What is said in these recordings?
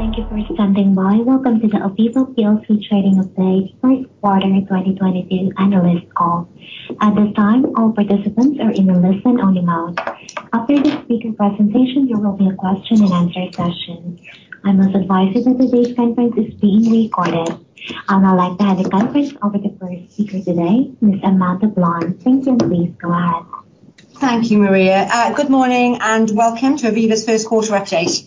Thank you for standing by. Welcome to the Aviva PLC Trading Update First Quarter 2022 analyst call. At this time, all participants are in a listen-only mode. After the speaker presentation, there will be a question and answer session. I must advise you that today's conference is being recorded. I would now like to hand over the conference to the first speaker today, Ms. Amanda Blanc. Thank you, and please go ahead. Thank you, Maria. Good morning and welcome to Aviva's first quarter update.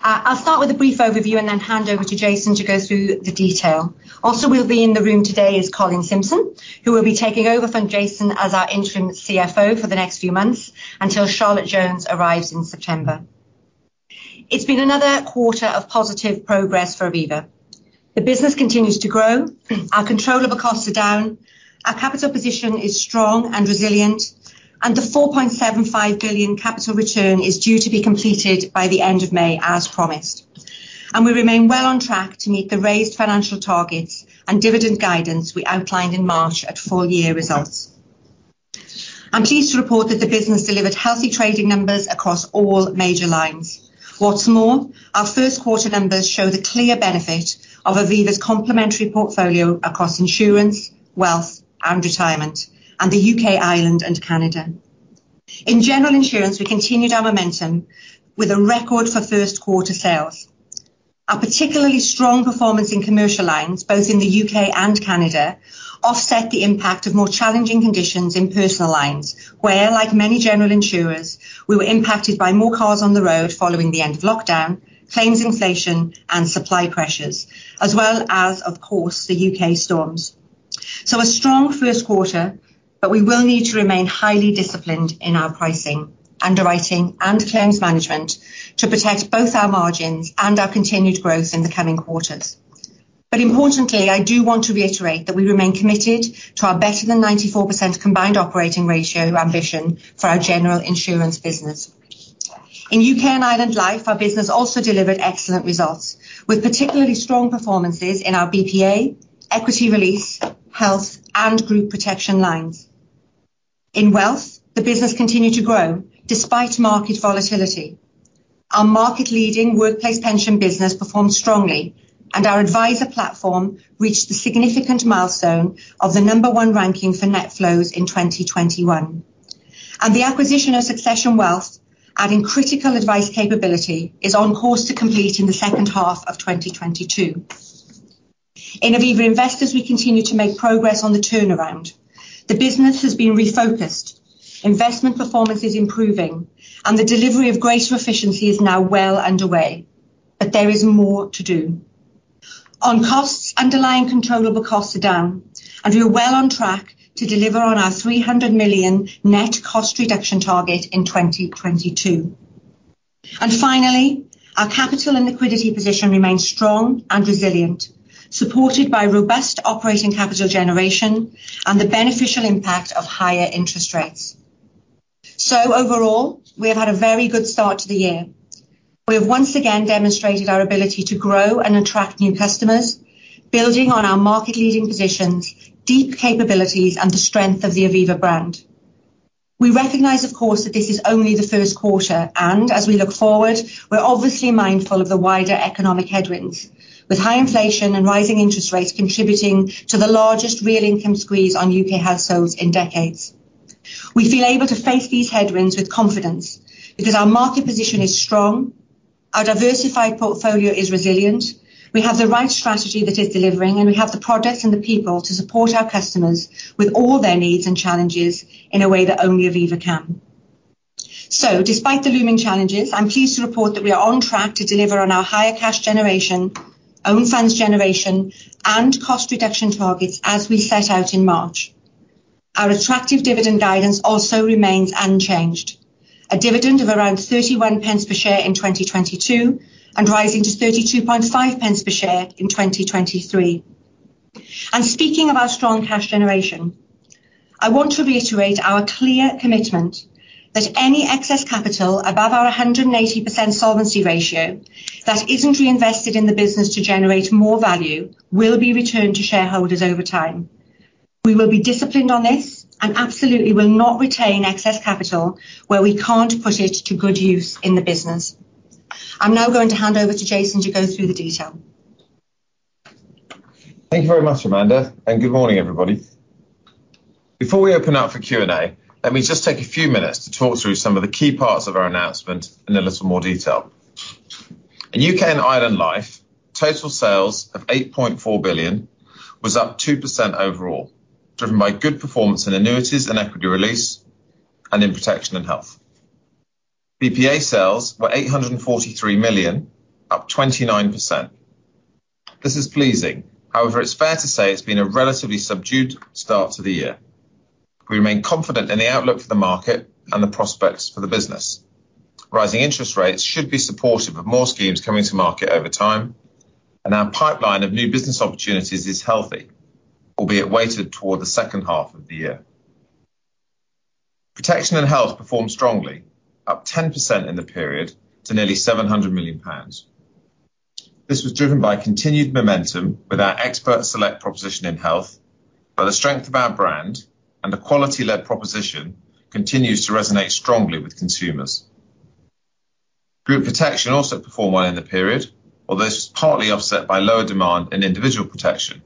I'll start with a brief overview and then hand over to Jason to go through the detail. Also will be in the room today is Colin Simpson, who will be taking over from Jason as our interim CFO for the next few months until Charlotte Jones arrives in September. It's been another quarter of positive progress for Aviva. The business continues to grow, our controllable costs are down, our capital position is strong and resilient, and the 4.75 billion capital return is due to be completed by the end of May as promised. We remain well on track to meet the raised financial targets and dividend guidance we outlined in March at full year results. I'm pleased to report that the business delivered healthy trading numbers across all major lines. What's more, our first quarter numbers show the clear benefit of Aviva's complementary portfolio across insurance, wealth and retirement and the U.K., Ireland and Canada. In general insurance, we continued our momentum with a record for first quarter sales. Our particularly strong performance in commercial lines, both in the U.K. and Canada, offset the impact of more challenging conditions in personal lines, where, like many general insurers, we were impacted by more cars on the road following the end of lockdown, claims inflation and supply pressures, as well as, of course, the U.K. storms. A strong first quarter, but we will need to remain highly disciplined in our pricing, underwriting and claims management to protect both our margins and our continued growth in the coming quarters. Importantly, I do want to reiterate that we remain committed to our better than 94% combined operating ratio ambition for our general insurance business. In U.K. and Ireland Life, our business also delivered excellent results, with particularly strong performances in our BPA, equity release, health and group protection lines. In Wealth, the business continued to grow despite market volatility. Our market-leading workplace pension business performed strongly and our Adviser Platform reached the significant milestone of the number one ranking for net flows in 2021. The acquisition of Succession Wealth, adding critical advice capability, is on course to complete in the second half of 2022. In Aviva Investors, we continue to make progress on the turnaround. The business has been refocused, investment performance is improving and the delivery of greater efficiency is now well underway, but there is more to do. On costs, underlying controllable costs are down, and we are well on track to deliver on our 300 million net cost reduction target in 2022. Finally, our capital and liquidity position remains strong and resilient, supported by robust operating capital generation and the beneficial impact of higher interest rates. Overall, we have had a very good start to the year. We have once again demonstrated our ability to grow and attract new customers, building on our market-leading positions, deep capabilities and the strength of the Aviva brand. We recognize, of course, that this is only the first quarter and as we look forward, we're obviously mindful of the wider economic headwinds, with high inflation and rising interest rates contributing to the largest real income squeeze on UK households in decades. We feel able to face these headwinds with confidence because our market position is strong, our diversified portfolio is resilient, we have the right strategy that is delivering and we have the products and the people to support our customers with all their needs and challenges in a way that only Aviva can. Despite the looming challenges, I'm pleased to report that we are on track to deliver on our higher cash generation, own funds generation and cost reduction targets as we set out in March. Our attractive dividend guidance also remains unchanged. A dividend of around 0.31 per share in 2022 and rising to 0.325 per share in 2023. Speaking of our strong cash generation, I want to reiterate our clear commitment that any excess capital above our 180% solvency ratio that isn't reinvested in the business to generate more value will be returned to shareholders over time. We will be disciplined on this and absolutely will not retain excess capital where we can't put it to good use in the business. I'm now going to hand over to Jason to go through the detail. Thank you very much, Amanda, and good morning, everybody. Before we open up for Q&A, let me just take a few minutes to talk through some of the key parts of our announcement in a little more detail. In UK and Ireland Life, total sales of 8.4 billion was up 2% overall, driven by good performance in annuities and equity release and in protection and health. BPA sales were 843 million, up 29%. This is pleasing. However, it's fair to say it's been a relatively subdued start to the year. We remain confident in the outlook for the market and the prospects for the business. Rising interest rates should be supportive of more schemes coming to market over time, and our pipeline of new business opportunities is healthy, albeit weighted toward the second half of the year. Protection and health performed strongly, up 10% in the period to nearly 700 million pounds. This was driven by continued momentum with our Expert Select proposition in health. The strength of our brand and the quality-led proposition continues to resonate strongly with consumers. Group protection also performed well in the period, although this was partly offset by lower demand in individual protection.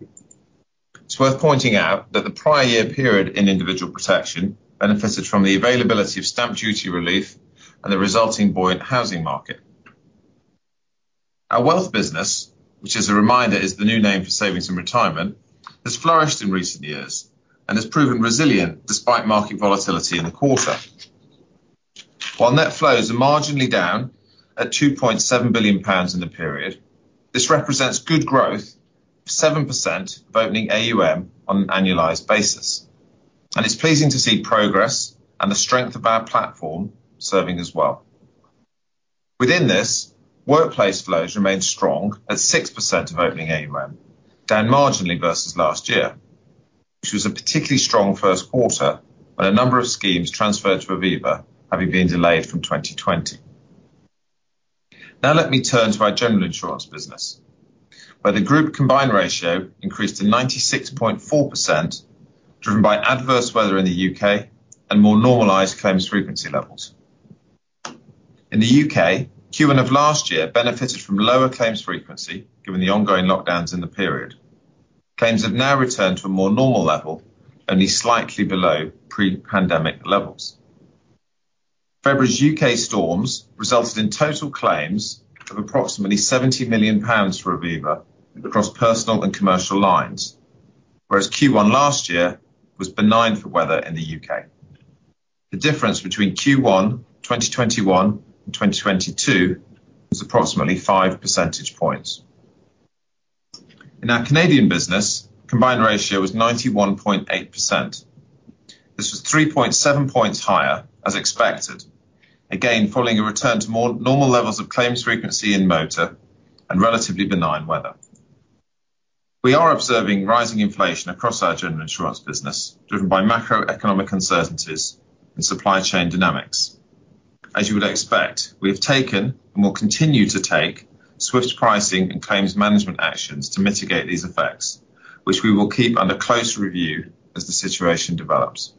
It's worth pointing out that the prior year period in individual protection benefited from the availability of stamp duty relief and the resulting buoyant housing market. Our wealth business, which as a reminder, is the new name for savings and retirement, has flourished in recent years and has proven resilient despite market volatility in the quarter. While net flows are marginally down at 2.7 billion pounds in the period, this represents good growth of 7% of opening AUM on an annualized basis, and it's pleasing to see progress and the strength of our platform serving us well. Within this, workplace flows remained strong at 6% of opening AUM, down marginally versus last year, which was a particularly strong first quarter when a number of schemes transferred to Aviva, having been delayed from 2020. Now let me turn to our general insurance business, where the group combined ratio increased to 96.4%, driven by adverse weather in the U.K. and more normalized claims frequency levels. In the U.K., Q1 of last year benefited from lower claims frequency, given the ongoing lockdowns in the period. Claims have now returned to a more normal level, only slightly below pre-pandemic levels. February's UK storms resulted in total claims of approximately 70 million pounds for Aviva across personal and commercial lines, whereas Q1 last year was benign for weather in the UK. The difference between Q1 2021 and 2022 was approximately five percentage points. In our Canadian business, combined ratio was 91.8%. This was 3.7 points higher as expected. Again, following a return to more normal levels of claims frequency in motor and relatively benign weather. We are observing rising inflation across our general insurance business, driven by macroeconomic uncertainties and supply chain dynamics. As you would expect, we have taken, and will continue to take, swift pricing and claims management actions to mitigate these effects, which we will keep under close review as the situation develops.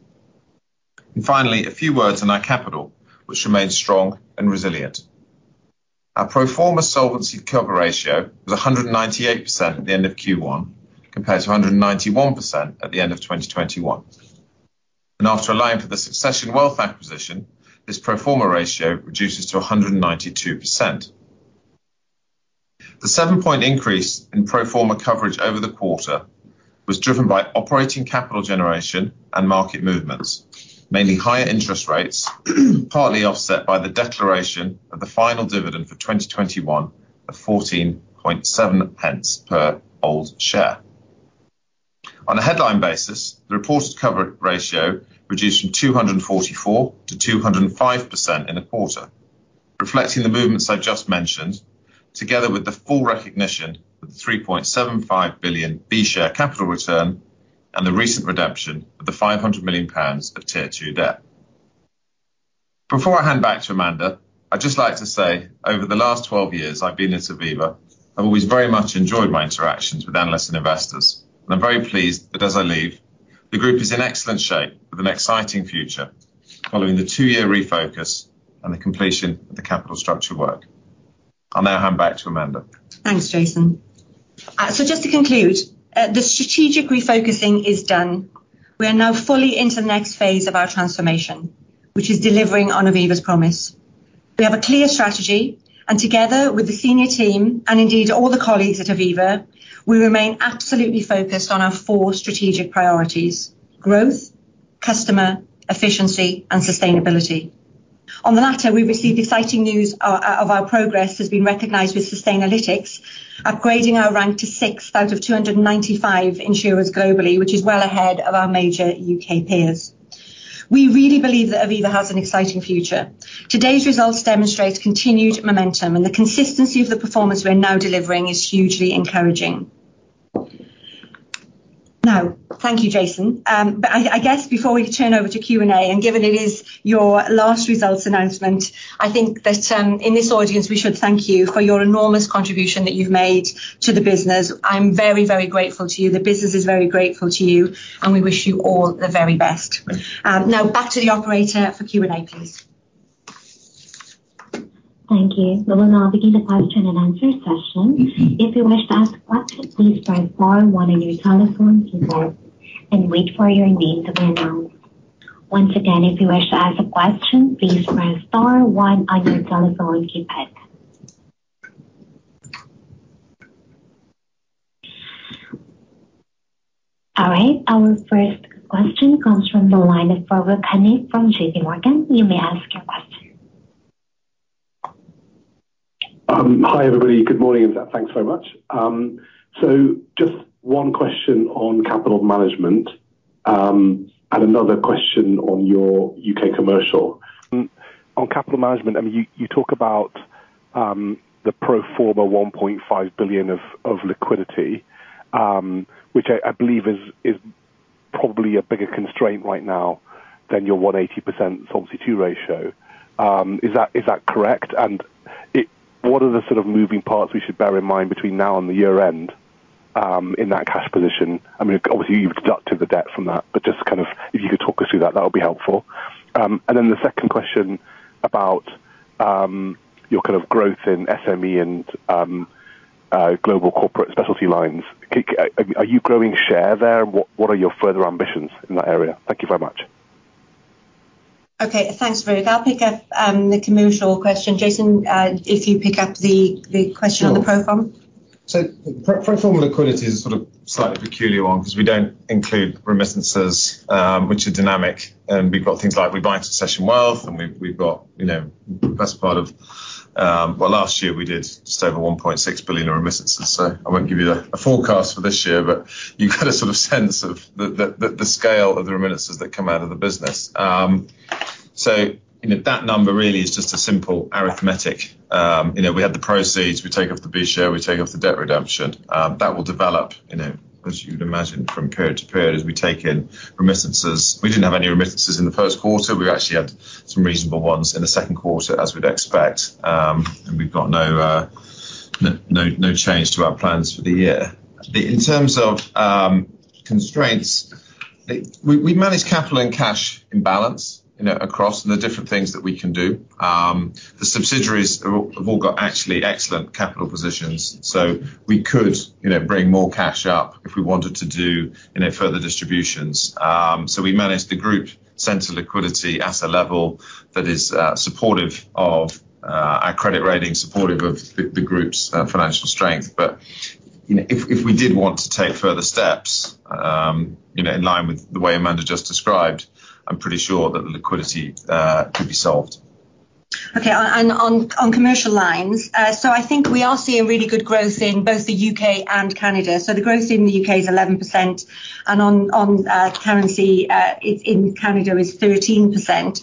Finally, a few words on our capital, which remains strong and resilient. Our pro forma solvency cover ratio was 198% at the end of Q1, compared to 191% at the end of 2021. After allowing for the Succession Wealth acquisition, this pro forma ratio reduces to 192%. The seven-point increase in pro forma coverage over the quarter was driven by operating capital generation and market movements, mainly higher interest rates, partly offset by the declaration of the final dividend for 2021 of 0.147 per ordinary share. On a headline basis, the reported cover ratio reduced from 244% to 205% in the quarter, reflecting the movements I've just mentioned, together with the full recognition of the 3.75 billion B share capital return and the recent redemption of the 500 million pounds of Tier Two debt. Before I hand back to Amanda, I'd just like to say, over the last 12 years I've been at Aviva, I've always very much enjoyed my interactions with analysts and investors, and I'm very pleased that as I leave, the group is in excellent shape with an exciting future following the two-year refocus and the completion of the capital structure work. I'll now hand back to Amanda. Thanks, Jason. Just to conclude, the strategic refocusing is done. We are now fully into the next phase of our transformation, which is delivering on Aviva's promise. We have a clear strategy, and together with the senior team, and indeed all the colleagues at Aviva, we remain absolutely focused on our four strategic priorities, growth, customer, efficiency, and sustainability. On the latter, we've received exciting news. Our progress has been recognized with Sustainalytics upgrading our rank to sixth out of 295 insurers globally, which is well ahead of our major U.K. peers. We really believe that Aviva has an exciting future. Today's results demonstrate continued momentum, and the consistency of the performance we're now delivering is hugely encouraging. Now, thank you, Jason. I guess before we turn over to Q&A, and given it is your last results announcement, I think that, in this audience, we should thank you for your enormous contribution that you've made to the business. I'm very, very grateful to you. The business is very grateful to you, and we wish you all the very best. Now back to the operator for Q&A, please. Thank you. We will now begin the question and answer session. If you wish to ask a question, please press star one on your telephone keypad and wait for your name to be announced. Once again, if you wish to ask a question, please press star one on your telephone keypad. All right, our first question comes from the line of Farooq Hanif from JPMorgan. You may ask your question. Hi, everybody. Good morning, and thanks very much. So just one question on capital management, and another question on your UK commercial. On capital management, I mean, you talk about the pro forma 1.5 billion of liquidity, which I believe is probably a bigger constraint right now than your 180% Solvency II ratio. Is that correct? What are the sort of moving parts we should bear in mind between now and the year end in that cash position? I mean, obviously you've deducted the debt from that, but just to kind of, if you could talk us through that would be helpful. And then the second question about your kind of growth in SME and global corporate specialty lines. Are you growing share there, and what are your further ambitions in that area? Thank you very much. Okay. Thanks, Farooq. I'll pick up the commercial question. Jason, if you pick up the question on the pro forma. Sure. Pro forma liquidity is sort of a slightly peculiar one, because we don't include remittances, which are dynamic, and we've got things like we buy Succession Wealth, and we've got you know best part of. Well, last year we did just over 1.6 billion in remittances. I won't give you a forecast for this year, but you get a sort of sense of the scale of the remittances that come out of the business. You know, that number really is just a simple arithmetic. You know, we have the proceeds. We take off the B share, we take off the debt redemption, that will develop you know as you would imagine from period to period as we take in remittances. We didn't have any remittances in the first quarter. We actually had some reasonable ones in the second quarter as we'd expect, and we've got no change to our plans for the year. In terms of constraints, we manage capital and cash in balance, you know, across the different things that we can do. The subsidiaries have all got actually excellent capital positions. So we could, you know, bring more cash up if we wanted to do any further distributions. We manage the group sense of liquidity at a level that is supportive of our credit rating, supportive of the group's financial strength. You know, if we did want to take further steps, you know, in line with the way Amanda just described, I'm pretty sure that liquidity could be solved. On commercial lines, I think we are seeing really good growth in both the UK and Canada. The growth in the UK is 11% and constant currency in Canada is 13%.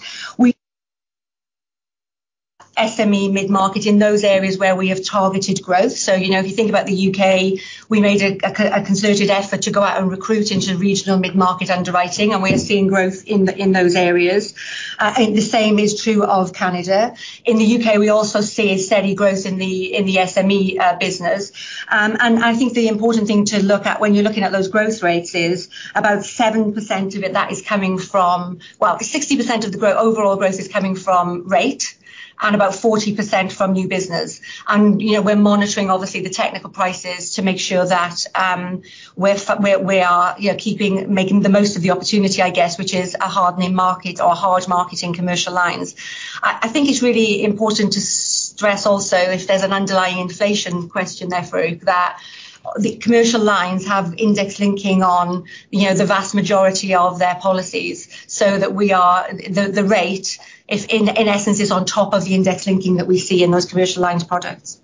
In SME mid-market in those areas where we have targeted growth. You know, if you think about the UK, we made a concerted effort to go out and recruit into regional mid-market underwriting, and we are seeing growth in those areas. The same is true of Canada. In the UK we also see a steady growth in the SME business. I think the important thing to look at when you are looking at those growth rates is about 7% of it, that is coming from. Well, 60% of the overall growth is coming from rate and about 40% from new business. You know, we're monitoring obviously the technical pricing to make sure that we are, you know, making the most of the opportunity I guess, which is a hardening market or hard market in commercial lines. I think it's really important to stress also if there's an underlying inflation question there, Farooq, that the commercial lines have index linking on, you know, the vast majority of their policies. The rate is in essence on top of the index linking that we see in those commercial lines products.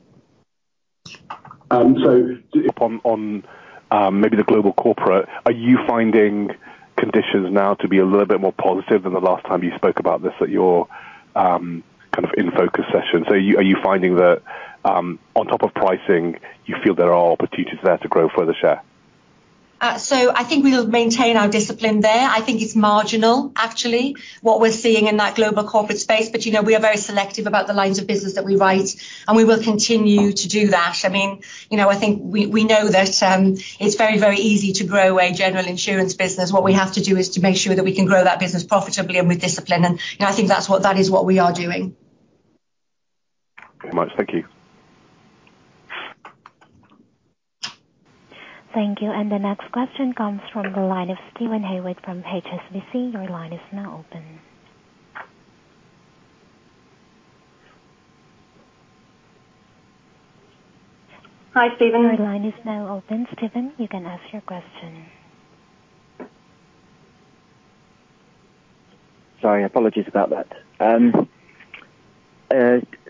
Maybe the global corporate, are you finding conditions now to be a little bit more positive than the last time you spoke about this at your kind of in focus session? Are you finding that, on top of pricing, you feel there are opportunities there to grow further share? I think we'll maintain our discipline there. I think it's marginal actually, what we're seeing in that global corporate space. You know, we are very selective about the lines of business that we write, and we will continue to do that. I mean, you know, I think we know that it's very, very easy to grow a general insurance business. What we have to do is to make sure that we can grow that business profitably and with discipline. You know, I think that is what we are doing. Very much. Thank you. Thank you. The next question comes from the line of Steven Haywood from HSBC. Your line is now open. Hi, Steven. Your line is now open. Steven, you can ask your question. Sorry, apologies about that.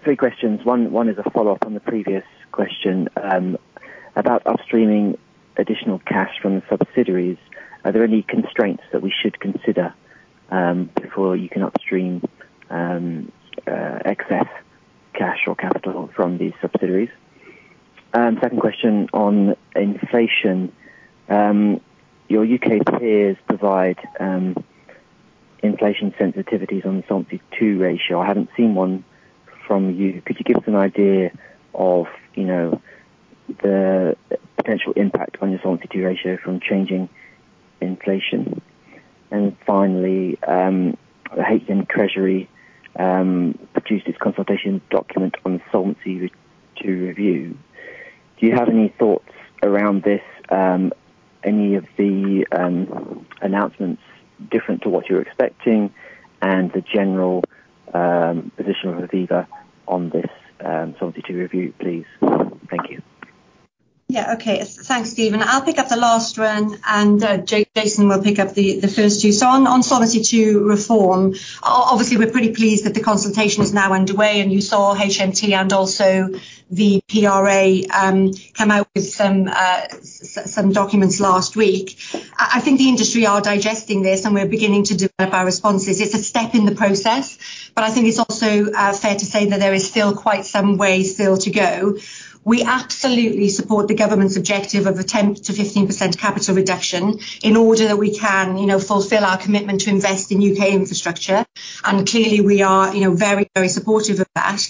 Three questions. One is a follow-up on the previous question about upstreaming additional cash from the subsidiaries. Are there any constraints that we should consider before you can upstream excess cash or capital from these subsidiaries? Second question on inflation. Your UK peers provide inflation sensitivities on Solvency II ratio. I haven't seen one from you. Could you give us an idea of, you know, the potential impact on your Solvency II ratio from changing inflation? Finally, the HM Treasury produced its consultation document on Solvency II review. Do you have any thoughts around this, any of the announcements different to what you're expecting and the general position of Aviva on this Solvency II review, please? Thank you. Thanks, Steven. I'll pick up the last one, and Jason will pick up the first two. On Solvency II reform, obviously we're pretty pleased that the consultation is now underway, and you saw HMT and also the PRA come out with some documents last week. I think the industry are digesting this, and we're beginning to develop our responses. It's a step in the process, but I think it's also fair to say that there is still quite some way to go. We absolutely support the government's objective of a 10%-15% capital reduction in order that we can, you know, fulfill our commitment to invest in U.K. infrastructure. Clearly, we are, you know, very supportive of that.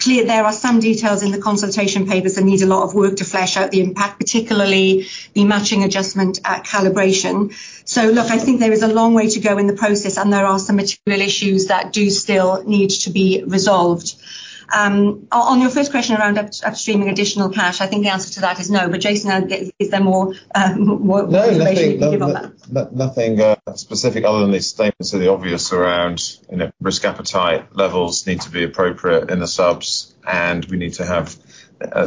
Clearly there are some details in the consultation papers that needs a lot of work to flesh out the impact, particularly the matching adjustment at calibration. Look, I think there is a long way to go in the process, and there are some material issues that do still need to be resolved. On your first question around upstreaming additional cash, I think the answer to that is no. Jason, is there more on that? No, nothing specific other than the statement to the obvious around, you know, risk appetite levels need to be appropriate in the subs, and we need to have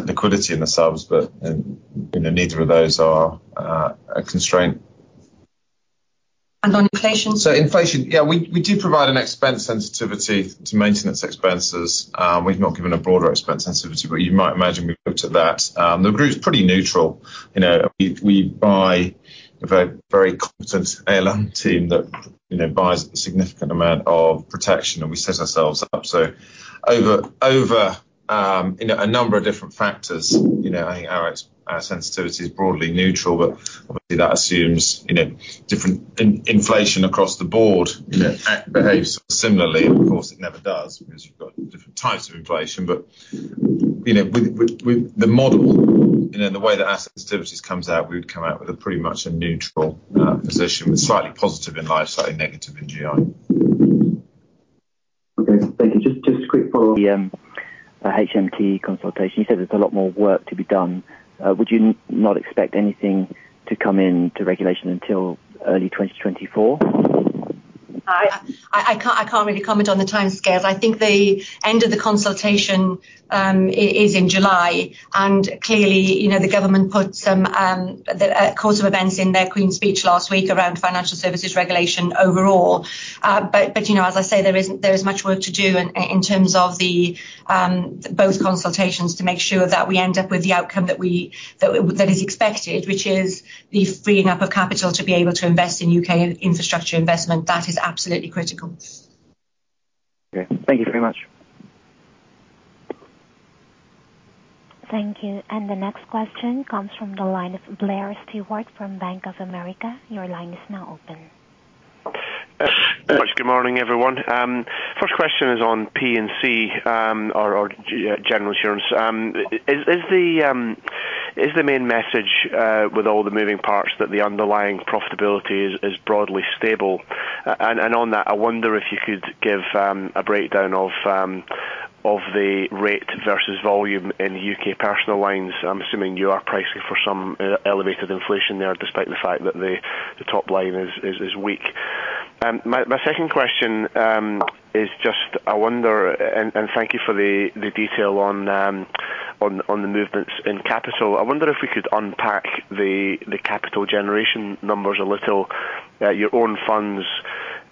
liquidity in the subs, but you know, neither of those are a constraint. On inflation? Inflation. We do provide an expense sensitivity to maintenance expenses. We've not given a broader expense sensitivity, but you might imagine we've looked at that. The group's pretty neutral. You know, we buy a very competent ALM team that, you know, buys a significant amount of protection, and we set ourselves up. Over, you know, a number of different factors, you know, I think our sensitivity is broadly neutral, but obviously that assumes, you know, different inflation across the board, you know, behaves similarly. Of course, it never does because you've got different types of inflation. You know, with the model, you know, and the way that our sensitivities comes out, we would come out with a pretty much a neutral position with slightly positive in life, slightly negative in GI. Okay, thank you. Just a quick follow on the HMT consultation. You said there's a lot more work to be done. Would you not expect anything to come into regulation until early 2024? I can't really comment on the timescales. I think the end of the consultation is in July. Clearly, you know, the government put some of the course of events in their Queen's Speech last week around financial services regulation overall. You know, as I say, there is much work to do in terms of both consultations to make sure that we end up with the outcome that is expected, which is the freeing up of capital to be able to invest in U.K. infrastructure investment. That is absolutely critical. Okay. Thank you very much. Thank you. The next question comes from the line of Blair Stewart from Bank of America. Your line is now open. Yes. Good morning, everyone. First question is on P&C, general insurance. Is the main message with all the moving parts that the underlying profitability is broadly stable? On that, I wonder if you could give a breakdown of the rate versus volume in U.K. personal lines. I'm assuming you are pricing for some elevated inflation there, despite the fact that the top line is weak. My second question is just I wonder. Thank you for the detail on the movements in capital. I wonder if we could unpack the capital generation numbers a little. Your own funds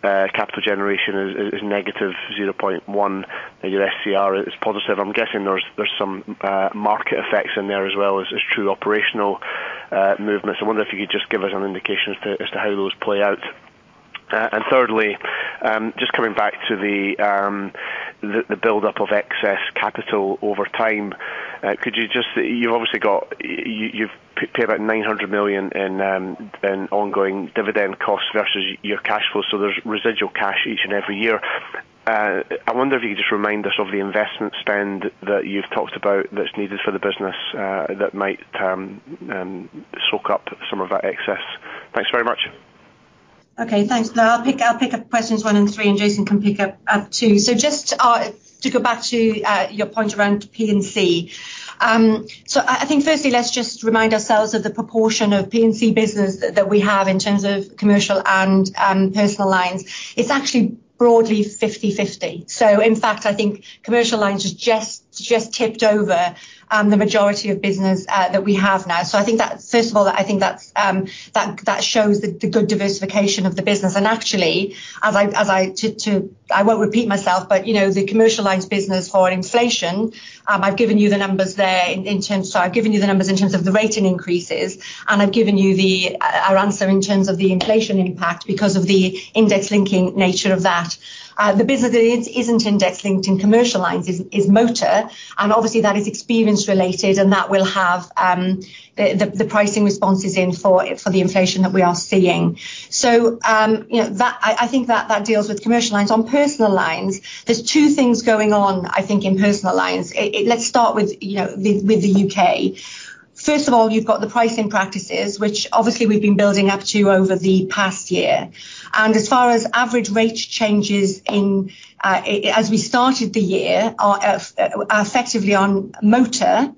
capital generation is -0.1, and your SCR is positive. I'm guessing there's some market effects in there as well as true operational movements. I wonder if you could just give us an indication as to how those play out. Thirdly, just coming back to the buildup of excess capital over time. You've obviously got you've paid about 900 million in ongoing dividend costs versus your cash flow. There's residual cash each and every year. I wonder if you could just remind us of the investment spend that you've talked about that's needed for the business, that might soak up some of that excess. Thanks very much. Okay, thanks. I'll pick up questions one and three, and Jason can pick up two. Just to go back to your point around P&C. I think firstly, let's just remind ourselves of the proportion of P&C business that we have in terms of commercial and personal lines. It's actually broadly 50/50. In fact, I think commercial lines has just tipped over the majority of business that we have now. I think that first of all, I think that shows the good diversification of the business. Actually, as I won't repeat myself, but you know, the commercial lines business for inflation, I've given you the numbers there in terms. I've given you the numbers in terms of the rate increases, and I've given you our answer in terms of the inflation impact because of the index linking nature of that. The business that isn't index-linked in commercial lines is motor, and obviously that is experience related, and that will have the pricing responses in for the inflation that we are seeing. You know, I think that deals with commercial lines. On personal lines, there's two things going on, I think, in personal lines. Let's start with, you know, with the U.K. First of all, you've got the pricing practices, which obviously we've been building up to over the past year. As far as average rate changes as we started the year are effectively on motor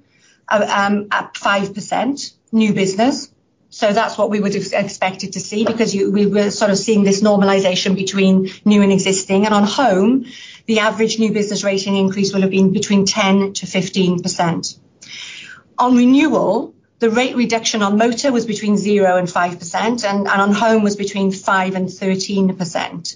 at 5% new business. That's what we would have expected to see because we were sort of seeing this normalization between new and existing. On home, the average new business rate increase will have been between 10%-15%. On renewal, the rate reduction on motor was between 0% and 5%, and on home was between 5% and 13%.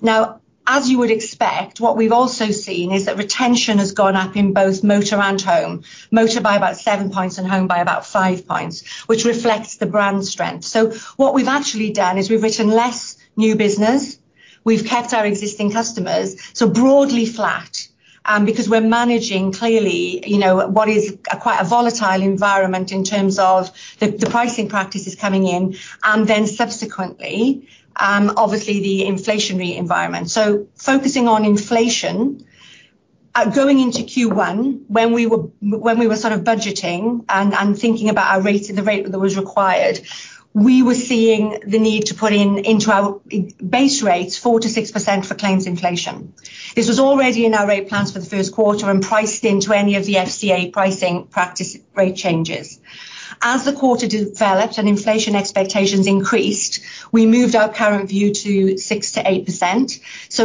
Now, as you would expect, what we've also seen is that retention has gone up in both motor and home. Motor by about seven points and home by about five points, which reflects the brand strength. What we've actually done is we've written less new business. We've kept our existing customers so broadly flat, because we're managing clearly, you know, what is a quite volatile environment in terms of the pricing practices coming in and then subsequently, obviously the inflationary environment. Focusing on inflation, going into Q1 when we were sort of budgeting and thinking about our rate, the rate that was required, we were seeing the need to put it into our base rates 4%-6% for claims inflation. This was already in our rate plans for the first quarter and priced into any of the FCA pricing practice rate changes. As the quarter developed and inflation expectations increased, we moved our current view to 6%-8%.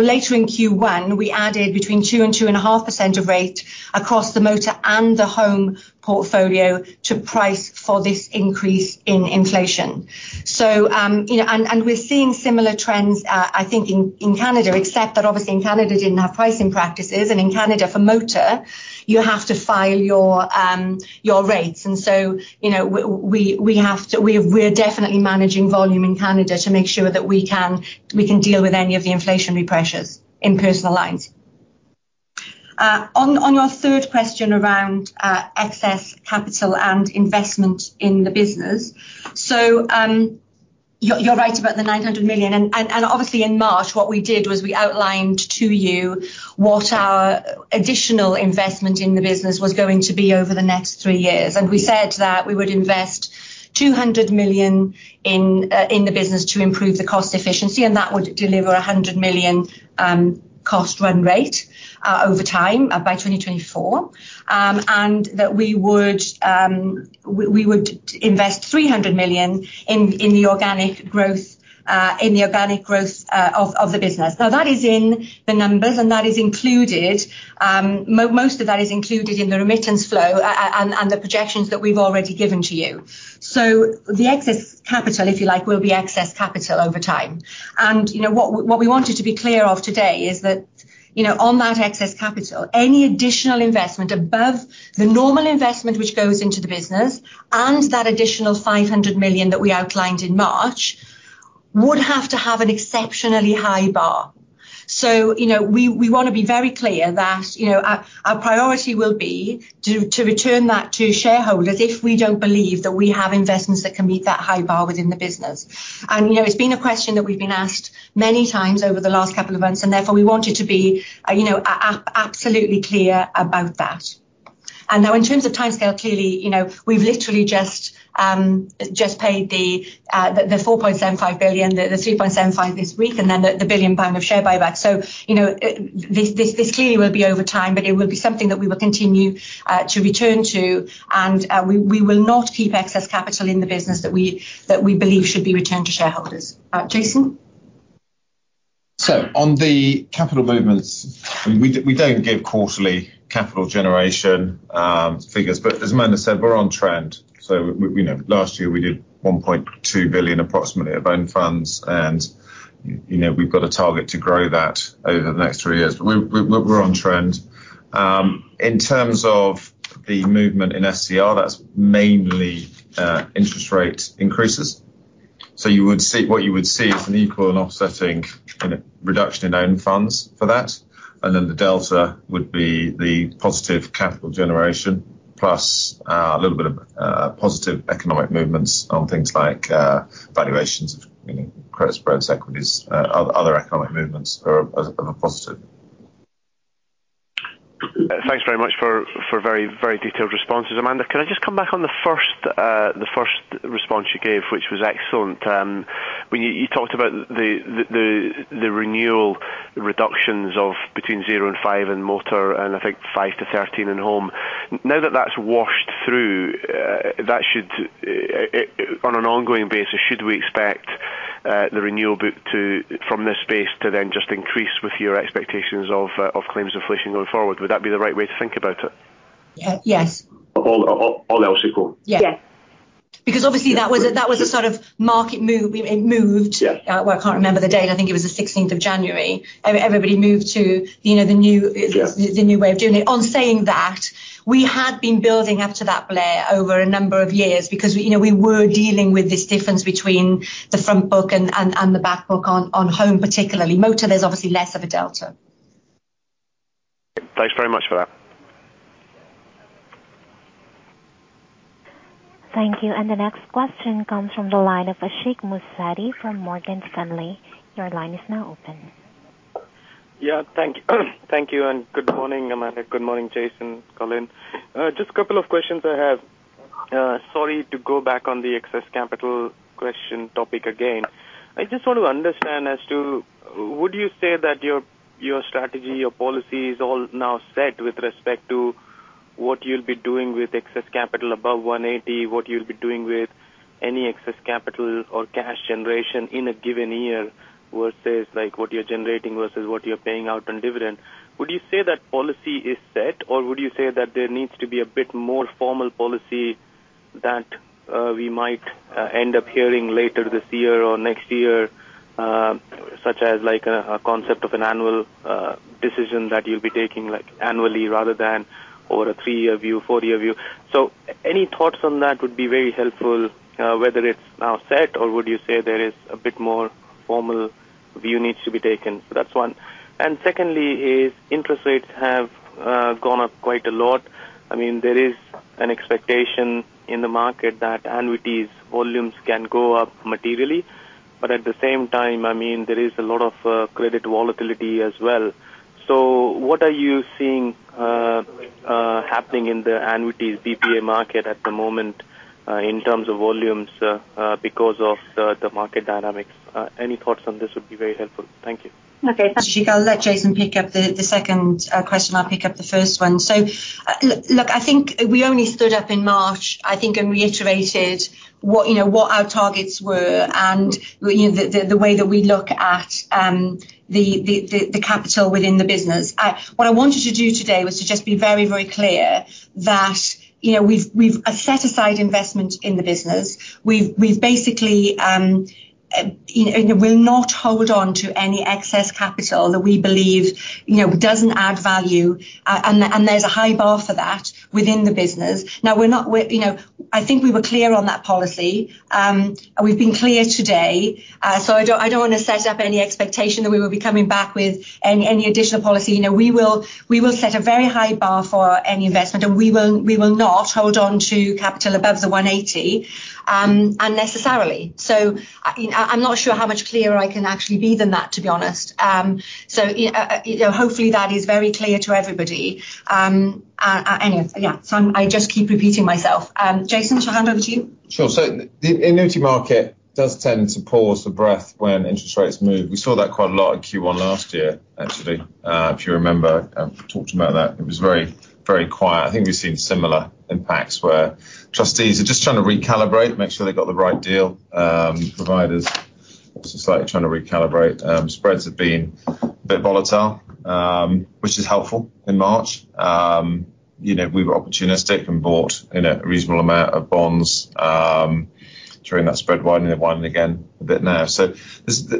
Later in Q1, we added between 2% and 2.5% of rate across the motor and the home portfolio to price for this increase in inflation. We are seeing similar trends, I think in Canada, except that obviously in Canada don't have pricing practices and in Canada for motor you have to file your rates. We have to, we're definitely managing volume in Canada to make sure that we can deal with any of the inflationary pressures in personal lines. On your third question around excess capital and investment in the business. You're right about the 900 million. Obviously in March what we did was we outlined to you what our additional investment in the business was going to be over the next three years. We said that we would invest 200 million in the business to improve the cost efficiency, and that would deliver 100 million cost run rate over time by 2024. That we would invest 300 million in the organic growth of the business. Now that is in the numbers, and that is included, most of that is included in the remittance flow and the projections that we've already given to you. The excess capital, if you like, will be excess capital over time. You know what we wanted to be clear of today is that, you know, on that excess capital, any additional investment above the normal investment which goes into the business and that additional 500 million that we outlined in March would have to have an exceptionally high bar. You know, we wanna be very clear that, you know, our priority will be to return that to shareholders if we don't believe that we have investments that can meet that high bar within the business. You know, it's been a question that we've been asked many times over the last couple of months, and therefore we want you to be, you know, absolutely clear about that. Now in terms of timescale, clearly, you know, we've literally just paid the 4.75 billion, the 3.75 billion this week, and then the 1 billion pound of share buyback. So, you know, this clearly will be over time, but it will be something that we will continue to return to. We will not keep excess capital in the business that we believe should be returned to shareholders. Jason. On the capital movements, I mean, we don't give quarterly capital generation figures, but as Amanda said, we're on trend. We know last year we did 1.2 billion approximately of own funds and, you know, we've got a target to grow that over the next three years, but we're on trend. In terms of the movement in SCR, that's mainly interest rate increases. You would see an equal and offsetting kind of reduction in own funds for that. Then the delta would be the positive capital generation plus a little bit of positive economic movements on things like valuations of, you know, credit spreads, equities, other economic movements as a positive. Thanks very much for very detailed responses. Amanda, can I just come back on the first response you gave, which was excellent. When you talked about the renewal reductions of between 0% and 5% in motor and I think 5%-13% in home. Now that that's washed through, that should, on an ongoing basis, should we expect the renewal book from this space to then just increase with your expectations of claims inflation going forward? Would that be the right way to think about it? Ye-yes. All else equal? Yeah. Because obviously that was a sort of market move. It moved. Yeah. Well, I can't remember the date. I think it was the sixteenth of January. Everybody moved to, you know, the new Yeah. The new way of doing it. On saying that, we had been building up to that, Blair, over a number of years because we, you know, we were dealing with this difference between the front book and the back book on home particularly. Motor there's obviously less of a delta. Thanks very much for that. Thank you. The next question comes from the line of Ashik Musaddi from Morgan Stanley. Your line is now open. Yeah. Thank you. Thank you and good morning, Amanda. Good morning, Jason, Colin. Just a couple of questions I have. Sorry to go back on the excess capital question topic again. I just want to understand as to would you say that your strategy, your policy is all now set with respect to what you'll be doing with excess capital above 180, what you'll be doing with any excess capital or cash generation in a given year versus like what you're generating versus what you're paying out on dividend? Would you say that policy is set, or would you say that there needs to be a bit more formal policy that we might end up hearing later this year or next year, such as like a concept of an annual decision that you'll be taking like annually rather than over a three-year view, four-year view. Any thoughts on that would be very helpful, whether it's now set or would you say there is a bit more formal view needs to be taken. That's one. Secondly is interest rates have gone up quite a lot. I mean, there is an expectation in the market that annuities volumes can go up materially. But at the same time, I mean, there is a lot of credit volatility as well. What are you seeing happening in the annuities BPA market at the moment, in terms of volumes, because of the market dynamics? Any thoughts on this would be very helpful. Thank you. Okay. Ashik, I'll let Jason pick up the second question, I'll pick up the first one. Look, I think we only stood up in March, I think, and reiterated what, you know, what our targets were, and, you know, the capital within the business. What I wanted to do today was to just be very, very clear that, you know, we've set aside investment in the business. We've basically and we'll not hold on to any excess capital that we believe, you know, doesn't add value. There's a high bar for that within the business. Now, we're not. We're, you know, I think we were clear on that policy. We've been clear today. I don't wanna set up any expectation that we will be coming back with any additional policy. You know, we will set a very high bar for any investment, and we will not hold on to capital above the 180 unnecessarily. You know, I'm not sure how much clearer I can actually be than that, to be honest. You know, hopefully that is very clear to everybody. Yeah, I just keep repeating myself. Jason, shall I hand over to you? Sure. The annuity market does tend to pause for breath when interest rates move. We saw that quite a lot in Q1 last year, actually, if you remember. Talked about that. It was very, very quiet. I think we've seen similar impacts where trustees are just trying to recalibrate, make sure they got the right deal. Providers also slightly trying to recalibrate. Spreads have been a bit volatile, which is helpful in March. You know, we were opportunistic and bought in a reasonable amount of bonds, during that spread widening and widening again a bit now. So there's a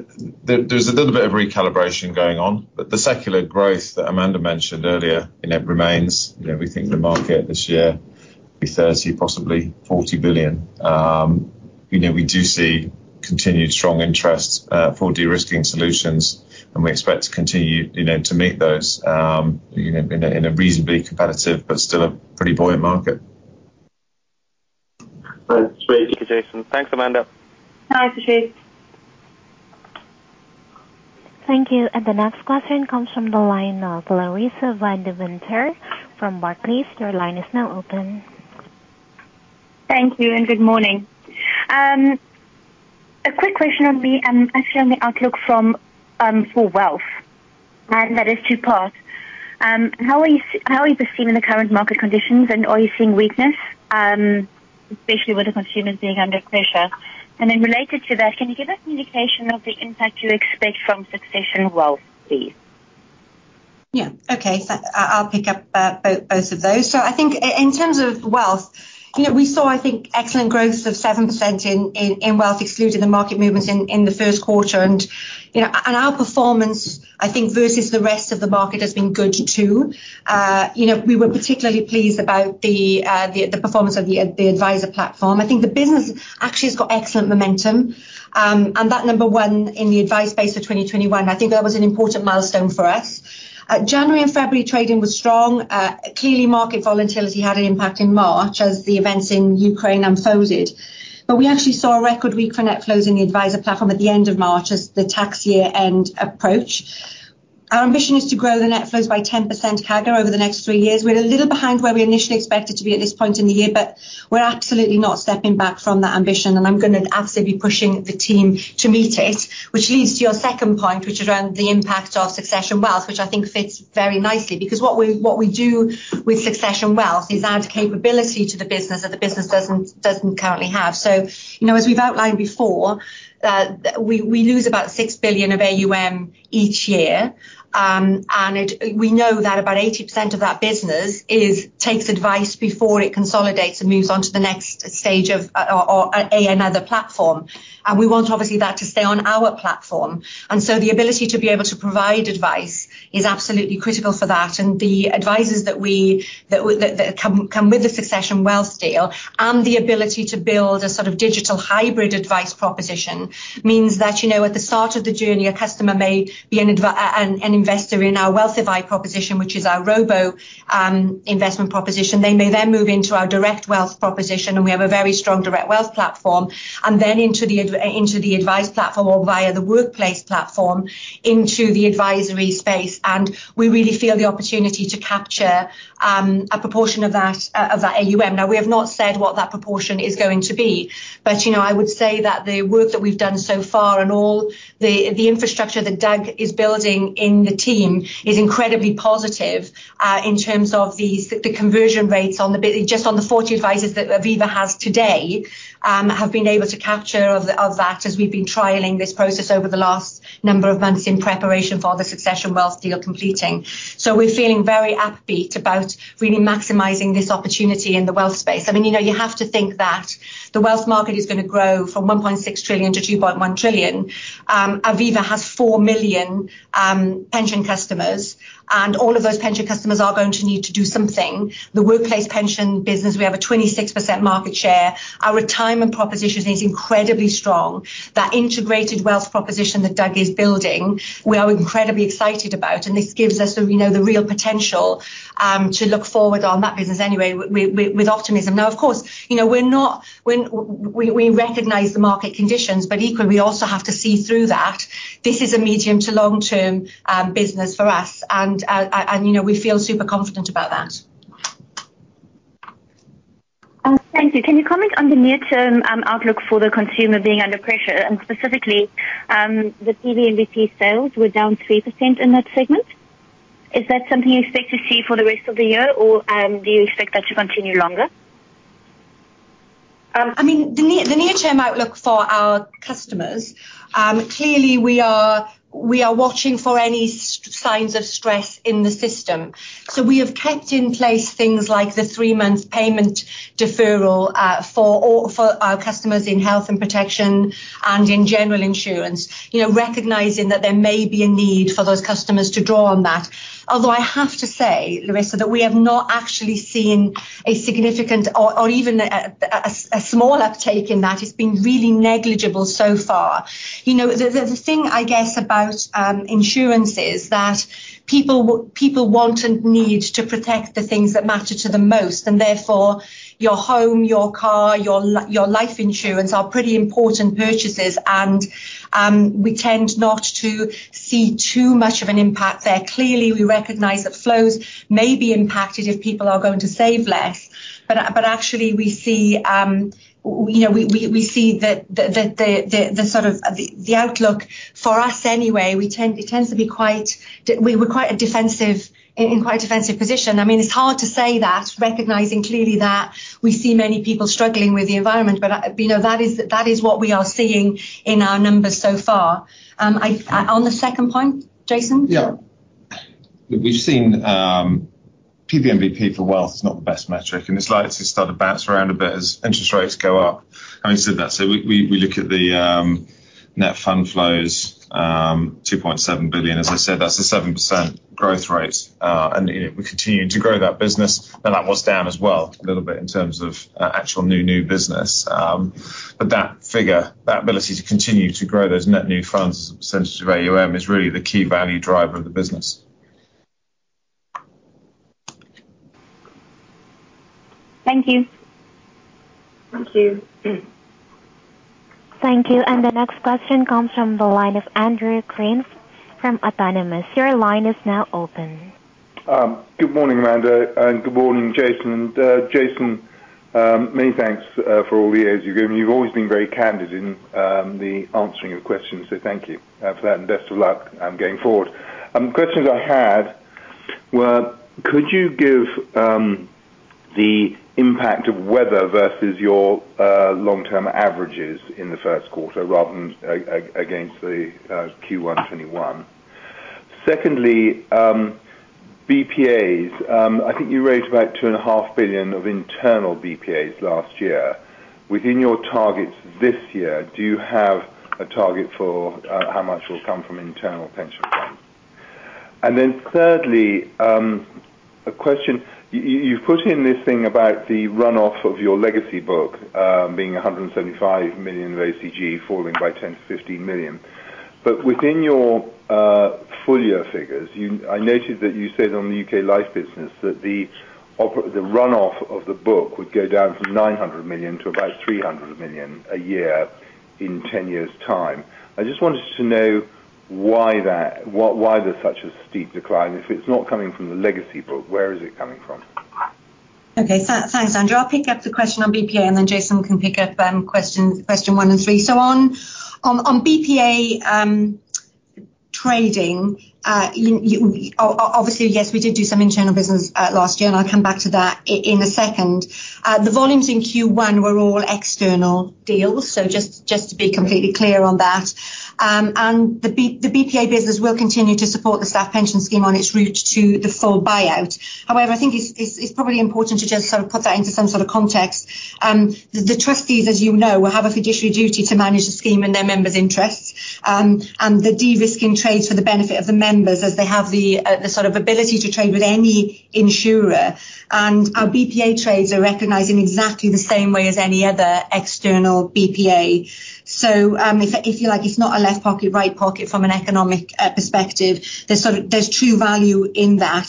little bit of recalibration going on. The secular growth that Amanda mentioned earlier, you know, remains. You know, we think the market this year will be 30 billion, possibly 40 billion. You know, we do see continued strong interest for de-risking solutions, and we expect to continue, you know, to meet those, you know, in a reasonably competitive but still a pretty buoyant market. Right. Thank you, Jason. Thanks, Amanda. Bye, Ashik. Thank you. The next question comes from the line of Larissa van Deventer from Barclays. Your line is now open. Thank you, and good morning. A quick question on the, actually, on the outlook for wealth, and that is two parts. How are you perceiving the current market conditions, and are you seeing weakness, especially with the consumers being under pressure? Related to that, can you give us an indication of the impact you expect from Succession Wealth, please? Yeah. Okay. I'll pick up both of those. I think in terms of wealth, you know, we saw, I think, excellent growth of 7% in wealth excluding the market movements in the first quarter. You know, our performance, I think versus the rest of the market has been good too. You know, we were particularly pleased about the performance of the Adviser Platform. I think the business actually has got excellent momentum. That number one in the advice space of 2021, I think that was an important milestone for us. January and February trading was strong. Clearly, market volatility had an impact in March as the events in Ukraine unfolded. We actually saw a record week for net flows in the Adviser Platform at the end of March as the tax year-end approached. Our ambition is to grow the net flows by 10% CAGR over the next three years. We're a little behind where we initially expected to be at this point in the year, but we're absolutely not stepping back from that ambition, and I'm gonna absolutely be pushing the team to meet it. Which leads to your second point, which is around the impact of Succession Wealth, which I think fits very nicely. Because what we do with Succession Wealth is add capability to the business that the business doesn't currently have. You know, as we've outlined before, we lose about 6 billion of AUM each year. We know that about 80% of that business takes advice before it consolidates and moves on to the next stage or another platform. We want obviously that to stay on our platform. The ability to be able to provide advice is absolutely critical for that. The advisers that come with the Succession Wealth deal and the ability to build a sort of digital hybrid advice proposition means that, you know, at the start of the journey, a customer may be an investor in our Wealthify proposition, which is our robo investment proposition. They may then move into our direct wealth proposition, and we have a very strong direct wealth platform. Into the advice platform or via the workplace platform into the advisory space. We really feel the opportunity to capture a proportion of that AUM. Now, we have not said what that proportion is going to be. You know, I would say that the work that we've done so far and all the infrastructure that Doug is building in the team is incredibly positive in terms of the conversion rates just on the 40 advisors that Aviva has today have been able to capture of that as we've been trialing this process over the last number of months in preparation for the Succession Wealth deal completing. We're feeling very upbeat about really maximizing this opportunity in the wealth space. I mean, you know, you have to think that the wealth market is going to grow from 1.6 trillion to 2.1 trillion. Aviva has four million pension customers, and all of those pension customers are going to need to do something. The workplace pension business, we have a 26% market share. Our retirement proposition is incredibly strong. That integrated wealth proposition that Doug is building, we are incredibly excited about, and this gives us the, you know, the real potential to look forward on that business anyway with optimism. Now, of course, you know, we recognize the market conditions, but equally, we also have to see through that. This is a medium to long-term business for us and, you know, we feel super confident about that. Thank you. Can you comment on the near-term outlook for the consumer being under pressure and specifically the PVNBP sales were down 3% in that segment? Is that something you expect to see for the rest of the year or do you expect that to continue longer? I mean, the near-term outlook for our customers, clearly, we are watching for any signs of stress in the system. We have kept in place things like the three-month payment deferral for all our customers in health and protection and in general insurance, you know, recognizing that there may be a need for those customers to draw on that. Although I have to say, Larissa, that we have not actually seen a significant or even a small uptake in that. It's been really negligible so far. You know, the thing I guess about insurance is that people want and need to protect the things that matter to them most, and therefore your home, your car, your life insurance are pretty important purchases, and we tend not to see too much of an impact there. Clearly, we recognize that flows may be impacted if people are going to save less, but actually we see, you know, we see that the sort of outlook for us anyway. It tends to be quite defensive. We were in quite a defensive position. I mean, it's hard to say that recognizing clearly that we see many people struggling with the environment, you know that is what we are seeing in our numbers so far. On the second point, Jason? Yeah. We've seen PVNBP for wealth is not the best metric, and it's likely to start to bounce around a bit as interest rates go up. Having said that, we look at the net fund flows, 2.7 billion. As I said, that's a 7% growth rate, and you know, we continue to grow that business, and that was down as well, a little bit in terms of actual new business. But that figure, that ability to continue to grow those net new funds as a percentage of AUM is really the key value driver of the business. Thank you. Thank you. Thank you. The next question comes from the line of Andrew Crean from Autonomous. Your line is now open. Good morning, Amanda, and good morning, Jason. Jason, many thanks for all the years you've given. You've always been very candid in the answering of questions, so thank you for that and best of luck going forward. Questions I had were, could you give the impact of weather versus your long-term averages in the first quarter rather than against the Q1 2021? Secondly, BPAs. I think you raised about 2.5 billion of internal BPAs last year. Within your targets this year, do you have a target for how much will come from internal pension funds? Thirdly, a question. You've put in this thing about the runoff of your legacy book being 175 million of ACG falling by 10-15 million. Within your full year figures, I noted that you said on the UK life business that the runoff of the book would go down from 900 million to about 300 million a year in 10 years' time. I just wanted to know why there's such a steep decline. If it's not coming from the legacy book, where is it coming from? Okay. Thanks, Andrew. I'll pick up the question on BPA, and then Jason can pick up question one and three. On BPA trading, you obviously yes, we did do some internal business last year, and I'll come back to that in a second. The volumes in Q1 were all external deals, so just to be completely clear on that. And the BPA business will continue to support the staff pension scheme on its route to the full buyout. However, I think it's probably important to just sort of put that into some sort of context. The trustees, as you know, will have a fiduciary duty to manage the scheme and their members' interests, and the de-risking trades for the benefit of the members as they have the sort of ability to trade with any insurer. Our BPA trades are recognized in exactly the same way as any other external BPA. If you like, it's not a left pocket, right pocket from an economic perspective. There's sort of true value in that.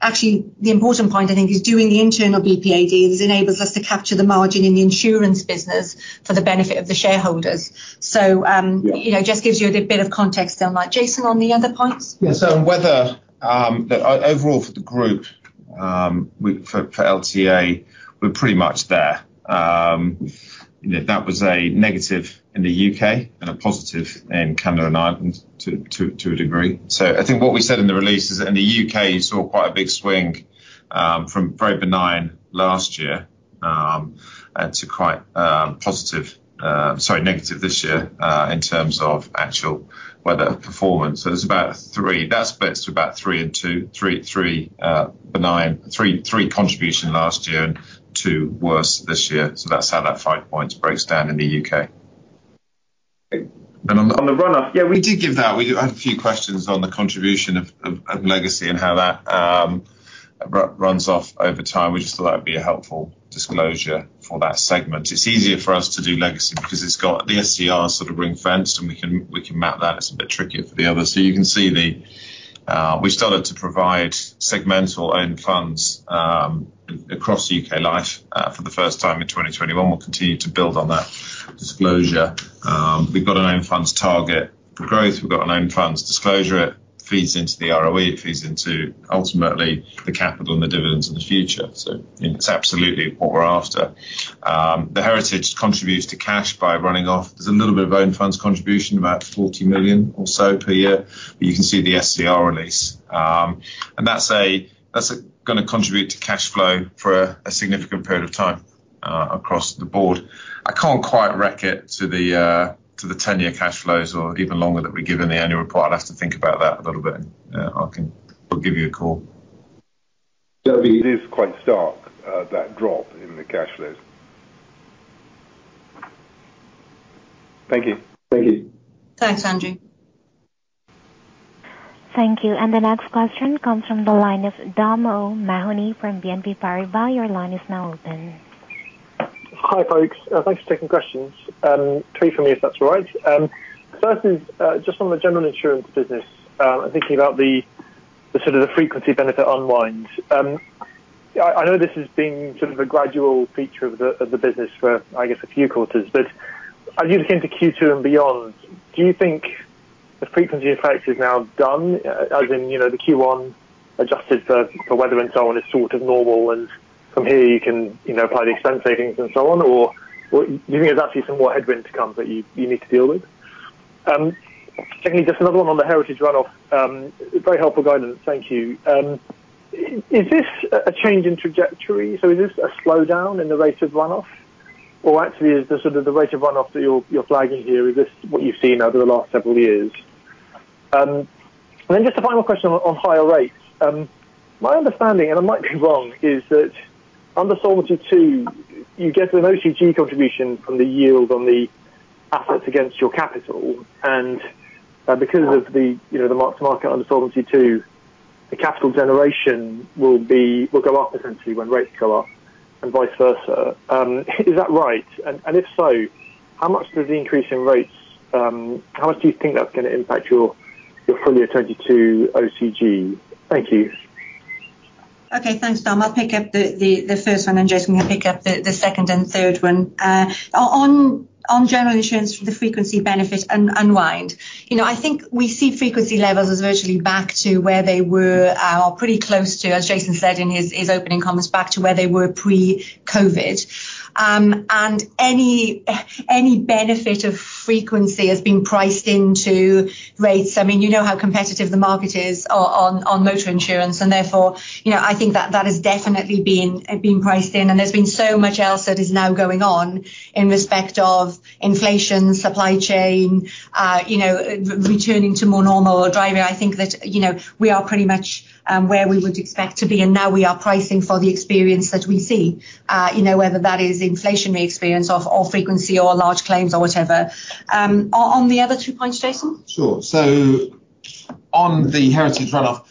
Actually, the important point I think is doing the internal BPA deals enables us to capture the margin in the insurance business for the benefit of the shareholders. Yeah. You know, just gives you a bit of context on that. Jason, on the other points. Yeah. On weather, overall for the group. For LTA, we're pretty much there. You know, that was a negative in the UK and a positive in Canada and Ireland to a degree. I think what we said in the release is that in the UK, you saw quite a big swing from very benign last year and to quite positive, sorry, negative this year in terms of actual weather performance. There's about three. That splits to about three and two. 3.3 benign. 3.3 contribution last year and two worse this year. That's how that five points breaks down in the UK. On the run-off, yeah, we did give that. We had a few questions on the contribution of legacy and how that runs off over time. We just thought that'd be a helpful disclosure for that segment. It's easier for us to do legacy because it's got the SCR sort of ring-fence, and we can map that. It's a bit trickier for the other. You can see we've started to provide segmental own funds across UK Life for the first time in 2021. We'll continue to build on that disclosure. We've got our own funds target for growth. We've got our own funds disclosure. It feeds into the ROE. It feeds into ultimately the capital and the dividends in the future. You know, it's absolutely what we're after. The Heritage contributes to cash by running off. There's a little bit of own funds contribution, about 40 million or so per year, but you can see the SCR release. That's gonna contribute to cash flow for a significant period of time across the board. I can't quite reckon it to the 10-year cash flows or even longer that we give in the annual report. I'd have to think about that a little bit. I'll give you a call. It is quite stark, that drop in the cash flows. Thank you. Thank you. Thanks, Andrew. Thank you. The next question comes from the line of Dom O'Mahony from BNP Paribas. Your line is now open. Hi, folks. Thanks for taking questions. Three for me if that's all right. First is just on the general insurance business. Thinking about the sort of frequency benefit unwind. I know this has been sort of a gradual feature of the business for, I guess, a few quarters. As you look into Q2 and beyond, do you think the frequency effect is now done as in, you know, the Q1 adjusted for weather and so on is sort of normal, and from here you can, you know, apply the expense savings and so on? Or do you think there's actually some more headwind to come that you need to deal with? Secondly, just another one on the Heritage run-off. Very helpful guidance. Thank you. Is this a change in trajectory? Is this a slowdown in the rate of runoff? Or actually is the sort of rate of runoff that you're flagging here, is this what you've seen over the last several years? Just a final question on higher rates. My understanding, and I might be wrong, is that under Solvency II, you get an OCG contribution from the yield on the assets against your capital. Because of the you know the marks to market under Solvency II, the capital generation will go up essentially when rates go up and vice versa. Is that right? If so, how much do you think that's gonna impact your full-year 2022 OCG? Thank you. Okay. Thanks, Dom. I'll pick up the first one, and Jason can pick up the second and third one. On general insurance for the frequency benefit unwind. You know, I think we see frequency levels as virtually back to where they were or pretty close to, as Jason said in his opening comments, back to where they were pre-COVID. Any benefit of frequency has been priced into rates. I mean, you know how competitive the market is on motor insurance, and therefore, you know, I think that has definitely been priced in. There's been so much else that is now going on in respect of inflation, supply chain, you know, returning to more normal driving. I think that, you know, we are pretty much where we would expect to be, and now we are pricing for the experience that we see. You know, whether that is inflationary experience of, or frequency or large claims or whatever. On the other two points, Jason. Sure. On the Heritage runoff,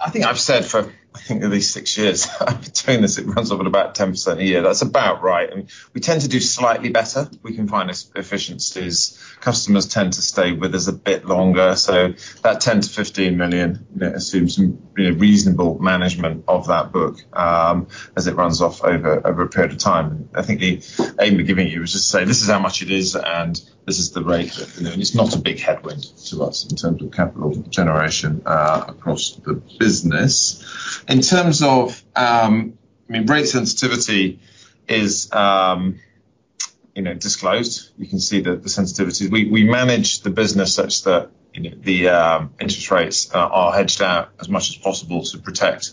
I think I've said for, I think, at least six years I've been doing this, it runs over about 10% a year. That's about right. We tend to do slightly better. We can find efficiencies. Customers tend to stay with us a bit longer. That 10-15 million assumes some, you know, reasonable management of that book, as it runs off over a period of time. I think the aim of giving it to you was just to say, this is how much it is, and this is the rate that we know. It's not a big headwind to us in terms of capital generation, across the business. In terms of, I mean, rate sensitivity is, you know, disclosed. You can see the sensitivities. We manage the business such that, you know, the interest rates are hedged out as much as possible to protect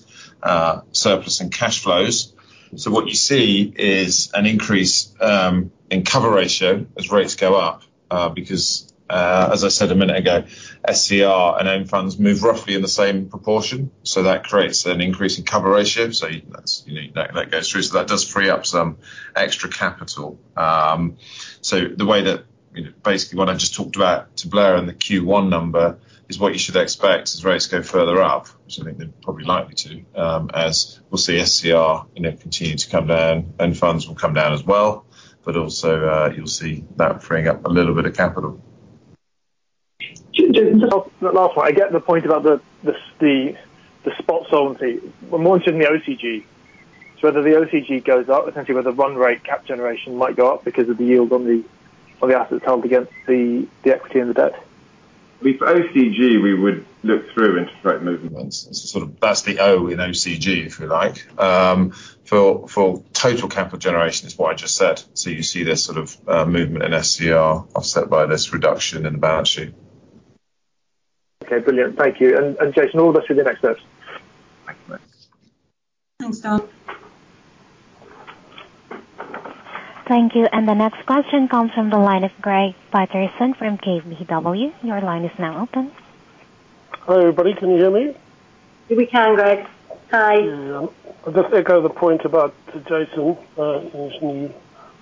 surplus and cash flows. What you see is an increase in cover ratio as rates go up because, as I said a minute ago, SCR and own funds move roughly in the same proportion. That creates an increase in cover ratio. That's, you know, that goes through. That does free up some extra capital. The way that, you know, basically what I just talked about to Blair on the Q1 number is what you should expect as rates go further up. Which I think they're probably likely to, as we'll see SCR, you know, continue to come down. Own funds will come down as well, but also, you'll see that freeing up a little bit of capital. Just on the last one. I get the point about the spot solvency. I'm more interested in the OCG. Whether the OCG goes up, essentially whether run rate cash generation might go up because of the yield on the assets held against the equity and the debt. With OCG, we would look through into rate movements. Sort of that's the O in OCG, if you like. For total capital generation is what I just said. You see this sort of movement in SCR offset by this reduction in the balance sheet. Okay. Brilliant. Thank you. Jason, all the best with your next steps. Thanks. Thanks, Dom. Thank you. The next question comes from the line of Greig Paterson from KBW. Your line is now open. Hello, everybody. Can you hear me? We can, Greig. Hi. Yeah. I'll just echo the point about Jason in his new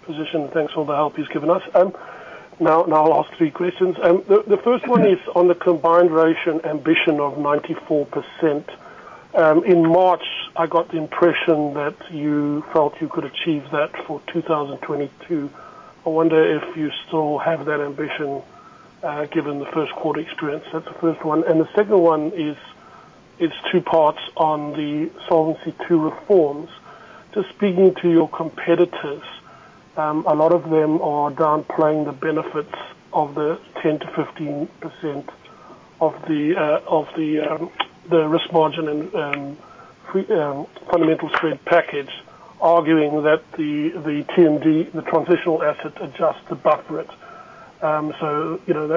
position. Thanks for all the help he's given us. Now I'll ask three questions. The first one is on the combined ratio ambition of 94%. In March, I got the impression that you felt you could achieve that for 2022. I wonder if you still have that ambition given the first quarter experience. That's the first one. The second one is two parts on the Solvency II reforms. Just speaking to your competitors, a lot of them are downplaying the benefits of the 10%-15% of the risk margin and fundamental spread package, arguing that the TMTP, the transitional measure adjusts to buffer it. You know,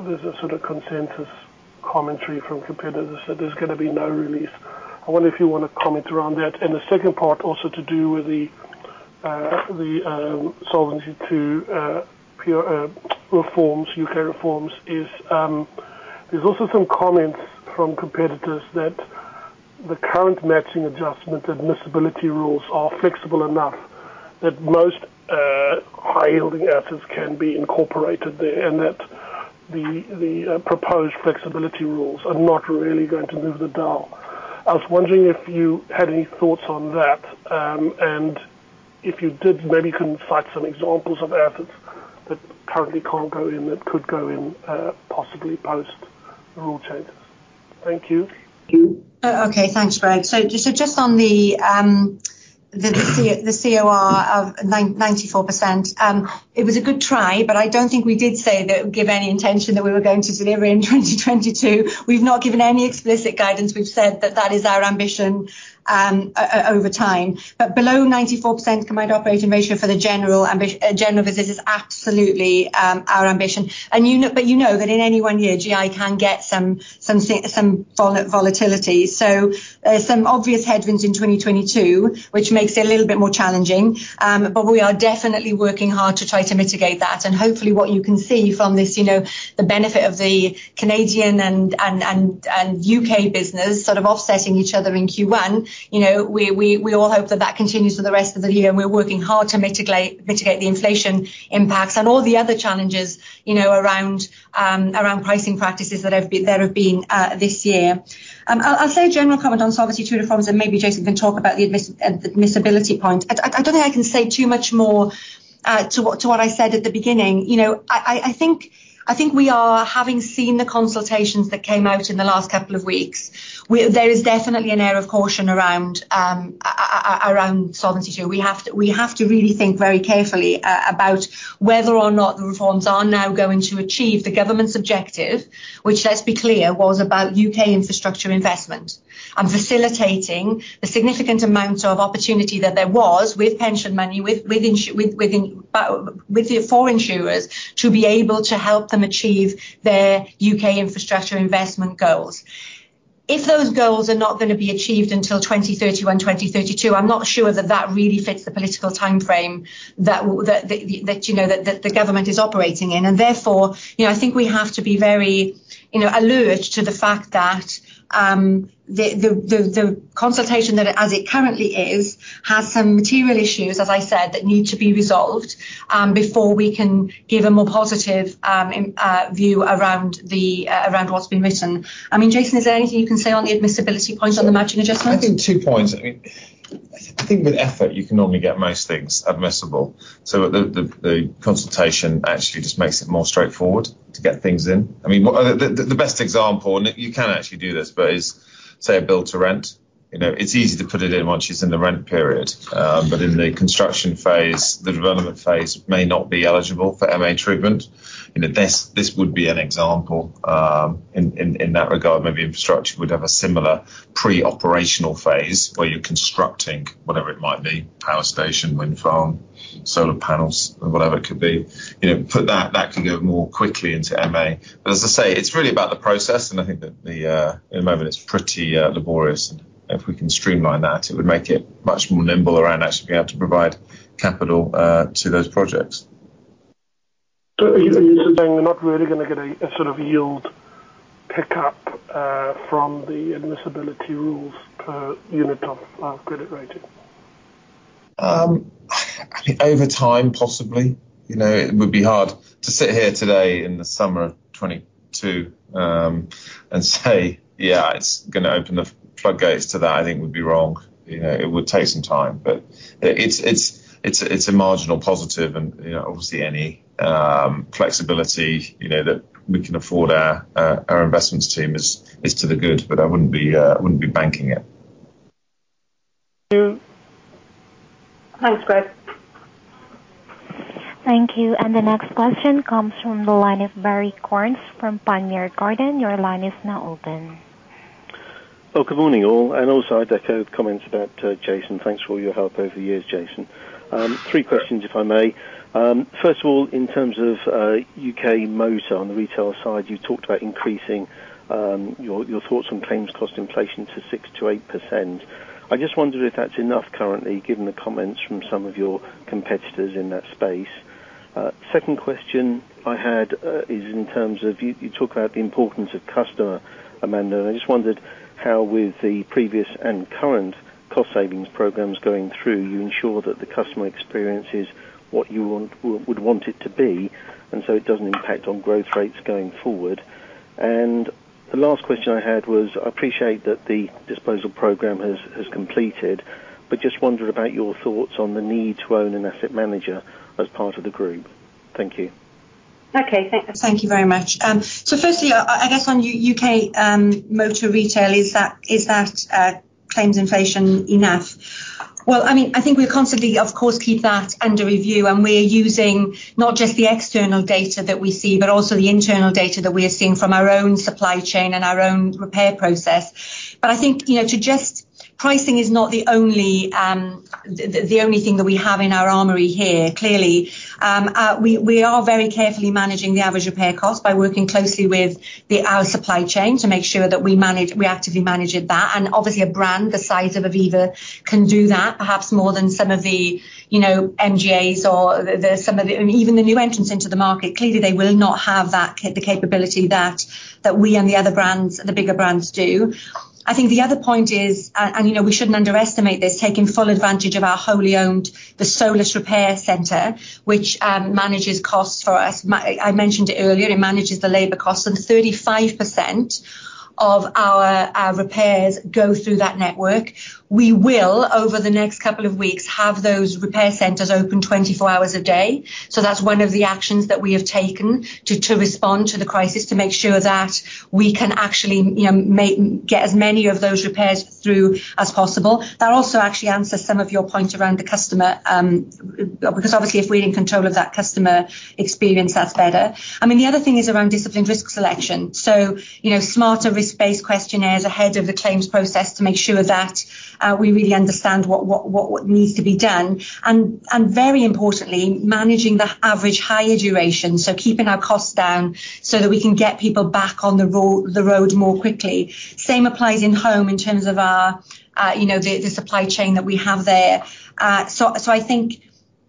there's a sort of consensus commentary from competitors that there's gonna be no release. I wonder if you wanna comment around that. The second part also to do with Solvency II, PRA reforms, UK reforms is, there's also some comments from competitors that the current matching adjustment admissibility rules are flexible enough that most high-yielding assets can be incorporated there, and that the proposed flexibility rules are not really going to move the dial. I was wondering if you had any thoughts on that, and if you did, maybe you can cite some examples of assets that currently can't go in, that could go in, possibly post the rule changes. Thank you. Okay, thanks, Greig. Just on the COR of 94%, it was a good try, but I don't think we did say that would give any intention that we were going to deliver in 2022. We've not given any explicit guidance. We've said that that is our ambition over time. Below 94% combined operating ratio for the general business is absolutely our ambition. You know, but you know that in any one year, GI can get some volatility. There's some obvious headwinds in 2022, which makes it a little bit more challenging. We are definitely working hard to try to mitigate that. Hopefully what you can see from this, you know, the benefit of the Canadian and UK business sort of offsetting each other in Q1, you know, we all hope that that continues for the rest of the year, and we're working hard to mitigate the inflation impacts and all the other challenges, you know, around pricing practices that have been there this year. I'll say a general comment on Solvency II reforms, and maybe Jason can talk about the admissibility point. I don't think I can say too much more to what I said at the beginning. You know, I think we are having seen the consultations that came out in the last couple of weeks. There is definitely an air of caution around Solvency II. We have to really think very carefully about whether or not the reforms are now going to achieve the government's objective, which, let's be clear, was about UK infrastructure investment and facilitating the significant amount of opportunity that there was with pension money with the foreign insurers to be able to help them achieve their UK infrastructure investment goals. If those goals are not gonna be achieved until 2031, 2032, I'm not sure that that really fits the political timeframe that you know that the government is operating in. Therefore, you know, I think we have to be very, you know, alluded to the fact that the consultation that as it currently is has some material issues, as I said, that need to be resolved before we can give a more positive view around what's been written. I mean, Jason, is there anything you can say on the admissibility point on the matching adjustments? I think two points. I think with effort, you can normally get most things admissible. The consultation actually just makes it more straightforward to get things in. I mean, the best example, and you can actually do this, but, say, a build to rent. You know, it's easy to put it in once it's in the rent period, but in the construction phase, the development phase may not be eligible for MA treatment. You know, this would be an example in that regard. Maybe infrastructure would have a similar pre-operational phase where you're constructing whatever it might be, power station, wind farm, solar panels, or whatever it could be. You know, that can go more quickly into MA. As I say, it's really about the process, and I think that the, at the moment it's pretty, laborious. If we can streamline that, it would make it much more nimble around actually being able to provide capital, to those projects. Are you saying we're not really gonna get a sort of yield pick up from the admissibility rules per unit of credit rating? Over time, possibly. You know, it would be hard to sit here today in the summer of 2022, and say, yeah, it's gonna open the floodgates to that, I think would be wrong. You know, it would take some time. But it's a marginal positive and, you know, obviously any flexibility, you know, that we can afford our investments team is to the good, but I wouldn't be banking it. Thanks, Greg. Thank you. The next question comes from the line of Barrie Cornes from Panmure Gordon. Your line is now open. Good morning, all. Also, I'd echo the comments about Jason. Thanks for all your help over the years, Jason. Three questions, if I may. First of all, in terms of UK motor on the retail side, you talked about increasing your thoughts on claims cost inflation to 6%-8%. I just wondered if that's enough currently, given the comments from some of your competitors in that space. Second question I had is in terms of you talk about the importance of customer, Amanda, and I just wondered how with the previous and current cost savings programs going through, you ensure that the customer experience is what you would want it to be, and so it doesn't impact on growth rates going forward. The last question I had was, I appreciate that the disposal program has completed, but just wondered about your thoughts on the need to own an asset manager as part of the group? Thank you. Okay. Thank you very much. So firstly, I guess on U.K. motor retail, is that claims inflation enough? Well, I mean, I think we constantly of course keep that under review and we're using not just the external data that we see, but also the internal data that we are seeing from our own supply chain and our own repair process. I think, you know, pricing is not the only thing that we have in our armory here, clearly. We are very carefully managing the average repair cost by working closely with our supply chain to make sure that we are actively managing that. Obviously a brand the size of Aviva can do that perhaps more than some of the, you know, MGAs or the some of the. Even the new entrants into the market. Clearly, they will not have that the capability that we and the other brands, the bigger brands do. I think the other point is, you know, we shouldn't underestimate this, taking full advantage of our wholly owned Solus Repair Center, which manages costs for us. MI, I mentioned it earlier, it manages the labor costs, and 35% of our repairs go through that network. We will, over the next couple of weeks, have those repair centers open 24 hours a day. That's one of the actions that we have taken to respond to the crisis, to make sure that we can actually, you know, get as many of those repairs through as possible. That also actually answers some of your points around the customer, because obviously if we're in control of that customer experience, that's better. I mean, the other thing is around disciplined risk selection. You know, smarter risk-based questionnaires ahead of the claims process to make sure that we really understand what needs to be done, and very importantly, managing the average higher duration. Keeping our costs down so that we can get people back on the road more quickly. Same applies in home in terms of our, you know, the supply chain that we have there. I think,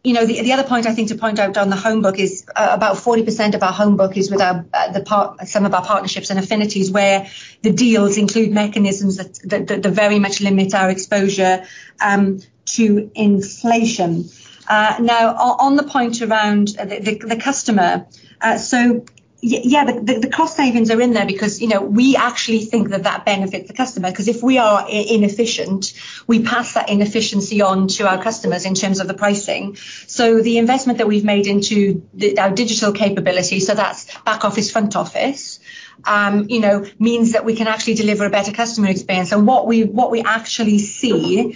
you know, the other point I think to point out on the home book is, about 40% of our home book is with our, the part. Some of our partnerships and affinities where the deals include mechanisms that very much limit our exposure to inflation. Now on the point around the customer. Yeah, the cost savings are in there because, you know, we actually think that benefits the customer, 'cause if we are inefficient, we pass that inefficiency on to our customers in terms of the pricing. The investment that we've made into our digital capability, that's back office, front office, you know, means that we can actually deliver a better customer experience. What we actually see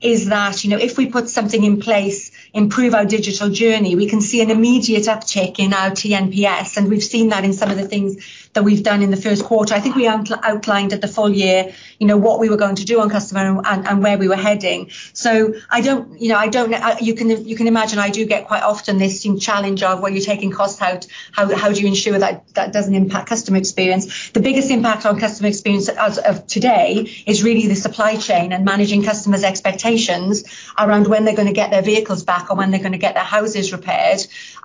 is that, you know, if we put something in place, improve our digital journey, we can see an immediate uptick in our TNPS, and we've seen that in some of the things that we've done in the first quarter. I think we outlined at the full year, you know, what we were going to do on customer and where we were heading. You know, you can imagine I do get quite often this challenge of, well, you're taking costs out. How do you ensure that that doesn't impact customer experience? The biggest impact on customer experience as of today is really the supply chain and managing customers' expectations around when they're gonna get their vehicles back or when they're gonna get their houses repaired.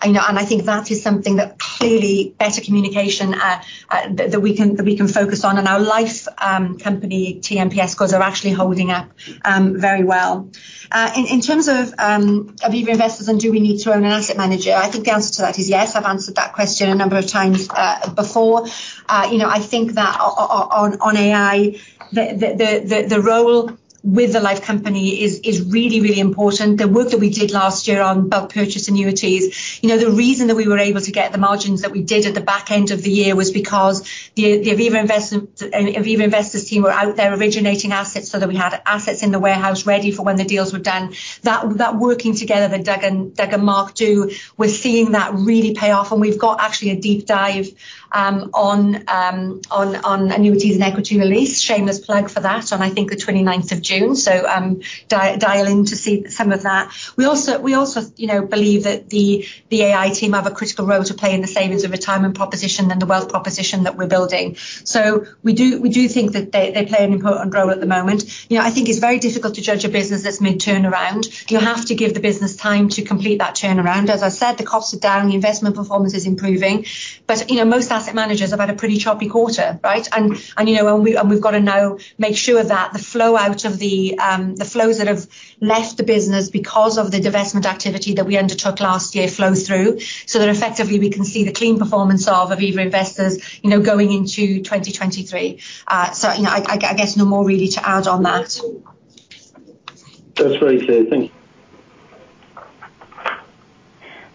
You know, I think that is something that clearly better communication that we can focus on. Our life company TNPS scores are actually holding up very well. In terms of Aviva Investors and do we need to own an asset manager, I think the answer to that is yes. I've answered that question a number of times before. You know, I think that on AI, the role with the life company is really important. The work that we did last year on bulk purchase annuities, you know, the reason that we were able to get the margins that we did at the back end of the year was because the Aviva Investors team were out there originating assets so that we had assets in the warehouse ready for when the deals were done. That working together that Doug and Mark do, we're seeing that really pay off, and we've got actually a deep dive on annuities and equity release. Shameless plug for that on, I think, the twenty-ninth of June. Dial in to see some of that. We also you know believe that the AI team have a critical role to play in the savings and retirement proposition and the wealth proposition that we're building. We do think that they play an important role at the moment. You know, I think it's very difficult to judge a business that's mid-turnaround. You have to give the business time to complete that turnaround. As I said, the costs are down, the investment performance is improving. You know, most asset managers have had a pretty choppy quarter, right? You know, we've got to now make sure that the flows that have left the business because of the divestment activity that we undertook last year flow through, so that effectively we can see the clean performance of Aviva Investors, you know, going into 2023. You know, I guess no more really to add on that. That's very clear. Thank you.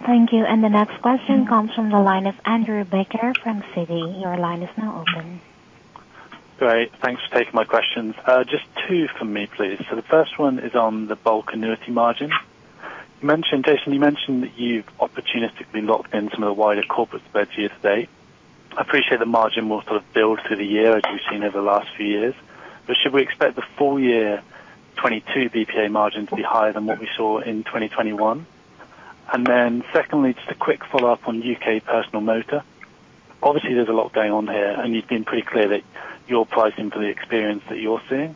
Thank you. The next question comes from the line of Andrew Baker from Citi. Your line is now open. Great. Thanks for taking my questions. Just two from me, please. The first one is on the bulk annuity margin. You mentioned, Jason, that you've opportunistically locked in some of the wider corporate spreads year to date. I appreciate the margin will sort of build through the year as we've seen over the last few years. Should we expect the full year 2022 BPA margin to be higher than what we saw in 2021? Then secondly, just a quick follow-up on U.K. personal motor. Obviously, there's a lot going on here, and you've been pretty clear that you're pricing for the experience that you're seeing.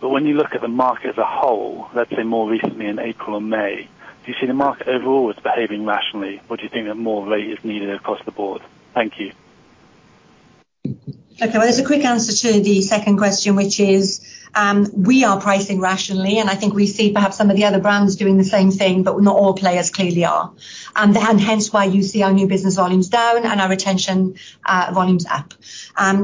When you look at the market as a whole, let's say more recently in April and May, do you see the market overall as behaving rationally, or do you think that more rate is needed across the board? Thank you. Okay. Well, there's a quick answer to the second question, which is, we are pricing rationally, and I think we see perhaps some of the other brands doing the same thing, but not all players clearly are. Hence why you see our new business volumes down and our retention volumes up.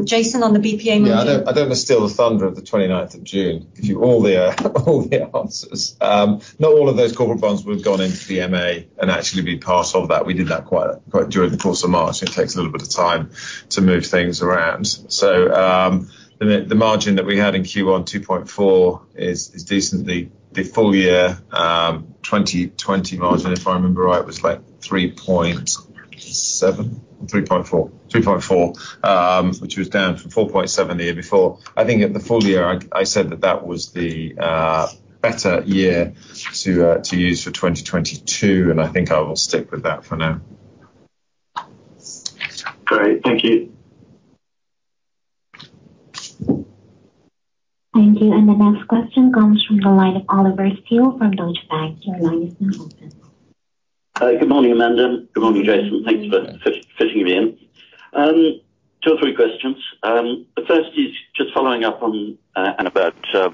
Jason, on the BPA margin. Yeah. I don't want to steal the thunder of the 29th of June, give you all the answers. Not all of those corporate bonds would have gone into the MA and actually be part of that. We did that quite during the course of March, and it takes a little bit of time to move things around. The margin that we had in Q1 2.4% is decently the full year 2020 margin. If I remember right, it was like 3.7%. 3.4%, which was down from 4.7% the year before. I think at the full year I said that that was the better year to use for 2022, and I think I will stick with that for now. Great. Thank you. Thank you. The next question comes from the line of Oliver Steel from Deutsche Bank. Your line is now open. Good morning, Amanda. Good morning, Jason. Thanks for fitting me in. Two or three questions. The first is just following up on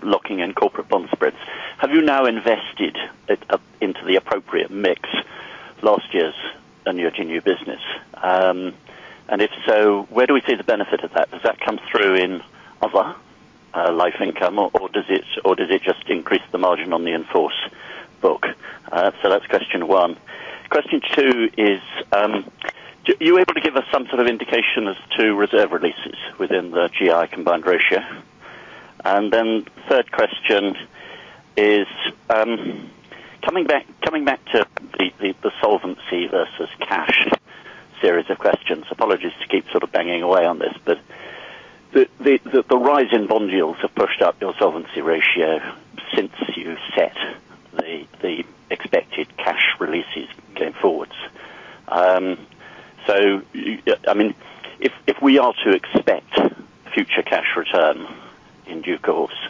locking in corporate bond spreads. Have you now invested it up into the appropriate mix last year's and your new business? And if so, where do we see the benefit of that? Does that come through in other life income or does it just increase the margin on the in-force book? So that's question one. Question two is, are you able to give us some sort of indication as to reserve releases within the GI combined ratio? And then third question is, coming back to the solvency versus cash series of questions. Apologies to keep sort of banging away on this, but the rise in bond yields have pushed up your solvency ratio since you set the expected cash releases going forwards. I mean, if we are to expect future cash return in due course,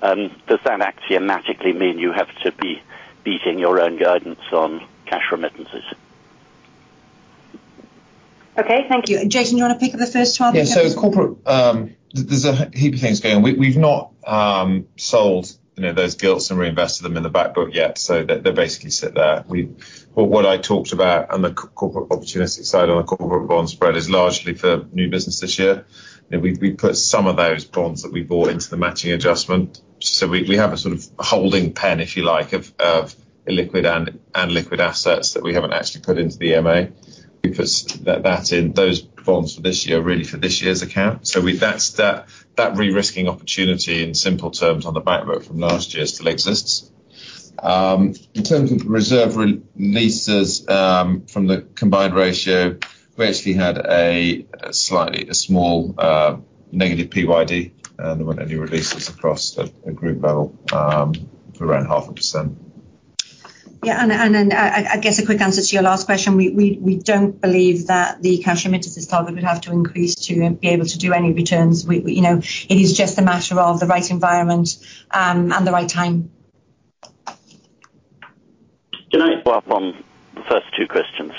does that axiomatically mean you have to be beating your own guidance on cash remittances? Okay. Thank you. Jason, you wanna pick up the first two out of the three? Yeah. As corporate, there's a heap of things going on. We've not, you know, sold those gilts and reinvested them in the back book yet. They basically sit there. What I talked about on the corporate opportunistic side, on the corporate bond spread is largely for new business this year. You know, we put some of those bonds that we bought into the matching adjustment. We have a sort of holding pen, if you like, of illiquid and liquid assets that we haven't actually put into the MA because that in those bonds for this year are really for this year's account. That's that re-risking opportunity in simple terms on the back book from last year still exists. In terms of reserve releases, from the combined ratio, we actually had a slightly. a small negative PYD, and there weren't any releases across the group level for around 0.5%. I guess a quick answer to your last question. We don't believe that the cash remittances target would have to increase to be able to do any returns. We, you know, it is just a matter of the right environment, and the right time. Can I follow up on the first two questions?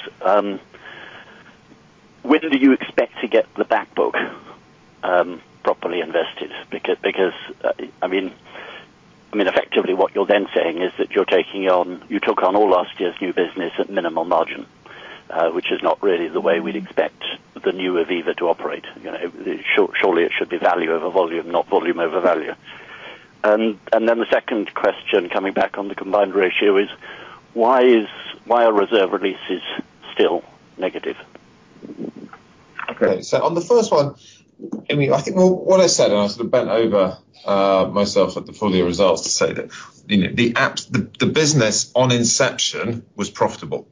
When do you expect to get the back book properly invested? Because effectively what you're then saying is that you took on all last year's new business at minimal margin, which is not really the way we'd expect the new Aviva to operate. You know, surely it should be value over volume, not volume over value. Then the second question, coming back on the combined ratio, is why are reserve releases still negative? On the first one, I mean, I think what I said, and I sort of bent over backwards myself at the full year results to say that, you know, the business on inception was profitable,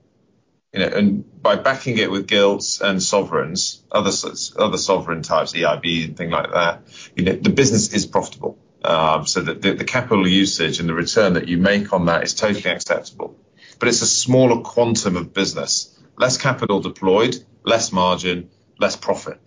you know. By backing it with gilts and sovereigns, other sovereign types, EIB and things like that, you know, the business is profitable. The capital usage and the return that you make on that is totally acceptable. But it's a smaller quantum of business, less capital deployed, less margin, less profit.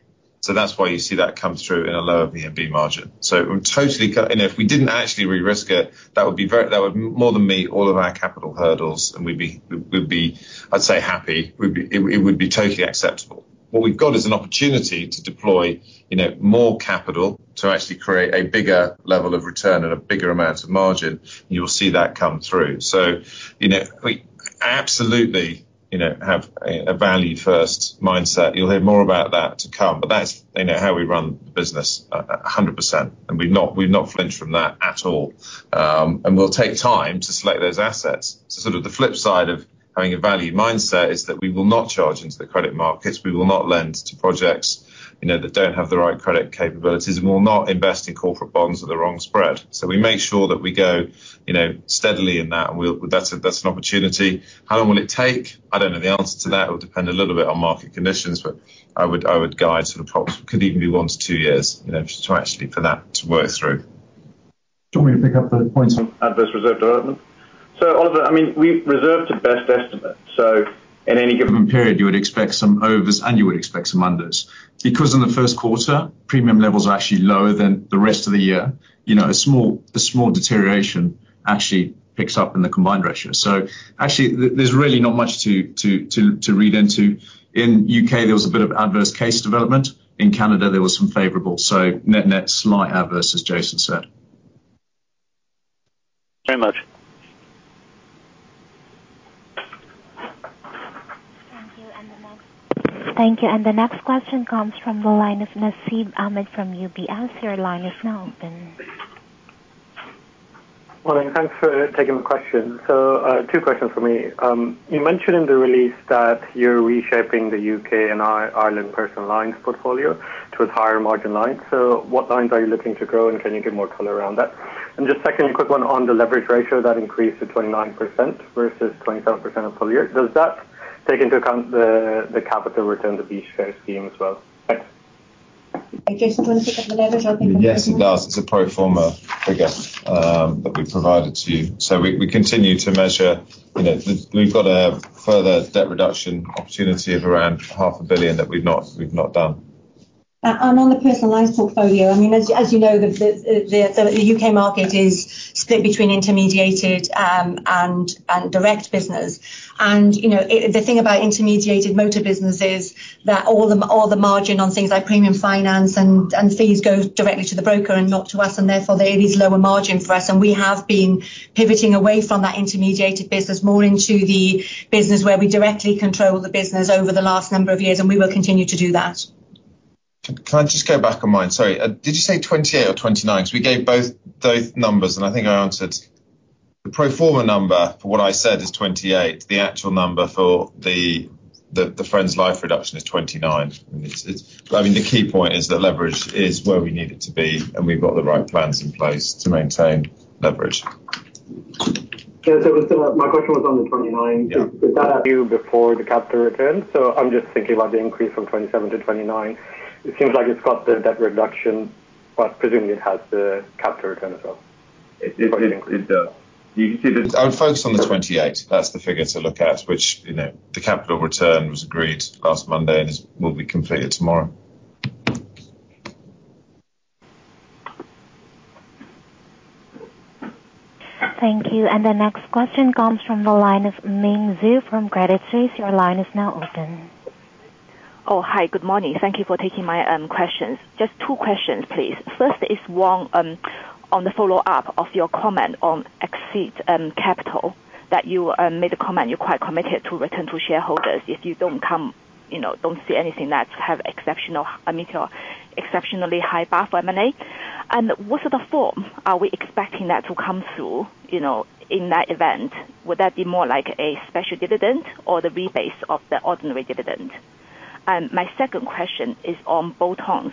That's why you see that comes through in a lower VNB margin. I'm totally comfortable and if we didn't actually re-risk it, that would more than meet all of our capital hurdles and we'd be, I'd say, happy. We'd be It would be totally acceptable. What we've got is an opportunity to deploy, you know, more capital to actually create a bigger level of return and a bigger amount of margin. You'll see that come through. You know, we absolutely, you know, have a value first mindset. You'll hear more about that to come. That's, you know, how we run the business 100%. We've not flinched from that at all. We'll take time to select those assets. Sort of the flip side of having a value mindset is that we will not charge into the credit markets, we will not lend to projects, you know, that don't have the right credit capabilities. We'll not invest in corporate bonds at the wrong spread. We make sure that we go, you know, steadily in that, and we'll That's an opportunity. How long will it take? I don't know the answer to that. It will depend a little bit on market conditions, but I would guide sort of probably could even be one to two years, you know, to actually for that to work through. Do you want me to pick up the points on adverse reserve development? Oliver, I mean, we reserve to best estimate. In any given period, you would expect some overs and you would expect some unders. Because in the first quarter, premium levels are actually lower than the rest of the year, you know, a small deterioration actually picks up in the combined ratio. Actually there's really not much to read into. In U.K., there was a bit of adverse case development. In Canada, there was some favorable. Net net, slight adverse, as Jason said. Very much. Thank you. The next question comes from the line of Nasib Ahmed from UBS. Your line is now open. Morning. Thanks for taking the question. Two questions from me. You mentioned in the release that you're reshaping the UK and Ireland Personal Lines portfolio towards higher margin lines. What lines are you looking to grow, and can you give more color around that? Just secondly, a quick one on the leverage ratio that increased to 29% versus 27% at full year. Does that take into account the B share scheme as well? Thanks. Jason, do you want to pick up the leverage or? Yes, it does. It's a pro forma figure that we provided to you. We continue to measure. You know, we've got a further debt reduction opportunity of around GBP half a billion that we've not done. On the Personal Lines portfolio, I mean as you know, the U.K. market is split between intermediated and direct business. You know, the thing about intermediated motor business is that all the margin on things like premium finance and fees go directly to the broker and not to us, and therefore it is lower margin for us. We have been pivoting away from that intermediated business more into the business where we directly control the business over the last number of years, and we will continue to do that. Can I just go back on mine? Sorry, did you say 28% or 29%? 'Cause we gave both numbers, and I think I answered the pro forma number for what I said is 28%. The actual number for the Friends Life reduction is 29%. I mean, the key point is that leverage is where we need it to be, and we've got the right plans in place to maintain leverage. Yeah. My question was on the 29%. Yeah. Is that you before the capital return? I'm just thinking about the increase from 27%-29%. It seems like it's got the debt reduction, but presumably it has the capital return as well. It does. You can see, I would focus on the 28%. That's the figure to look at, which, you know, the capital return was agreed last Monday and will be completed tomorrow. Thank you. The next question comes from the line of Mandy Xu from Credit Suisse. Your line is now open. Oh, hi. Good morning. Thank you for taking my questions. Just two questions please. First is one on the follow-up of your comment on excess capital, that you made a comment you're quite committed to return to shareholders if you don't see anything that have exceptional. I mean, exceptionally high bar for M&A. What form are we expecting that to come through, you know, in that event? Would that be more like a special dividend or the rebase of the ordinary dividend? My second question is on bolt-ons.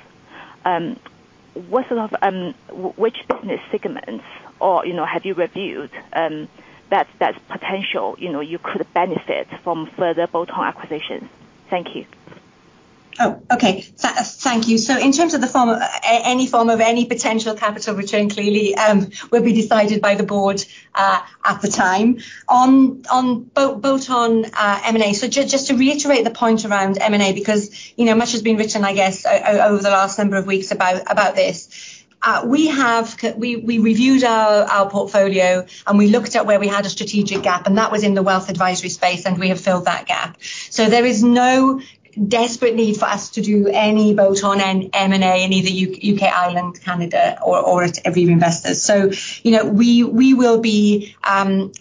What sort of which business segments or, you know, have you reviewed that's potential, you know, you could benefit from further bolt-on acquisitions? Thank you. Oh, okay. Thank you. In terms of the form, any form of any potential capital return clearly will be decided by the board at the time. On bolt-on M&A. Just to reiterate the point around M&A, because you know, much has been written, I guess, over the last number of weeks about this. We reviewed our portfolio, and we looked at where we had a strategic gap, and that was in the wealth advisory space, and we have filled that gap. There is no desperate need for us to do any bolt-on M&A in either UK, Ireland, Canada or at Aviva Investors. You know, we will be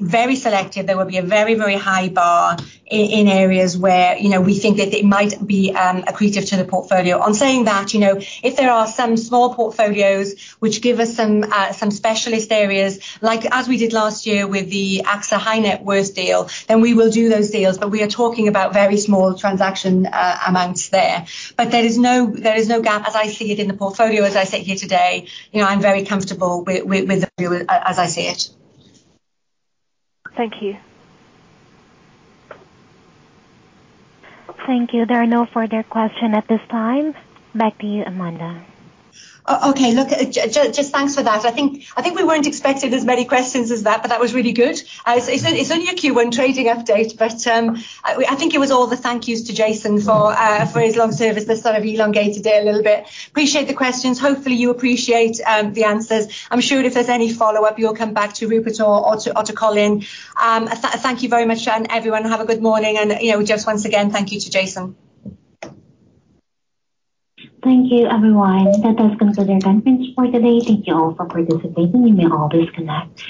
very selective. There will be a very, very high bar in areas where, you know, we think that it might be accretive to the portfolio. On saying that, you know, if there are some small portfolios which give us some specialist areas, like as we did last year with the AXA high net worth deal, then we will do those deals. We are talking about very small transaction amounts there. There is no gap as I see it in the portfolio as I sit here today. You know, I'm very comfortable with the view as I see it. Thank you. Thank you. There are no further questions at this time. Back to you, Amanda. Okay. Look, just thanks for that. I think we weren't expecting as many questions as that, but that was really good. It's only a Q1 trading update, but I think it was all the thank you to Jason for his long service that sort of elongated it a little bit. Appreciate the questions. Hopefully, you appreciate the answers. I'm sure if there's any follow-up, you'll come back to Rupert or to Colin. Thank you very much to everyone. Have a good morning. You know, just once again thank you to Jason. Thank you, everyone. That does conclude our conference for today. Thank you all for participating. You may all disconnect.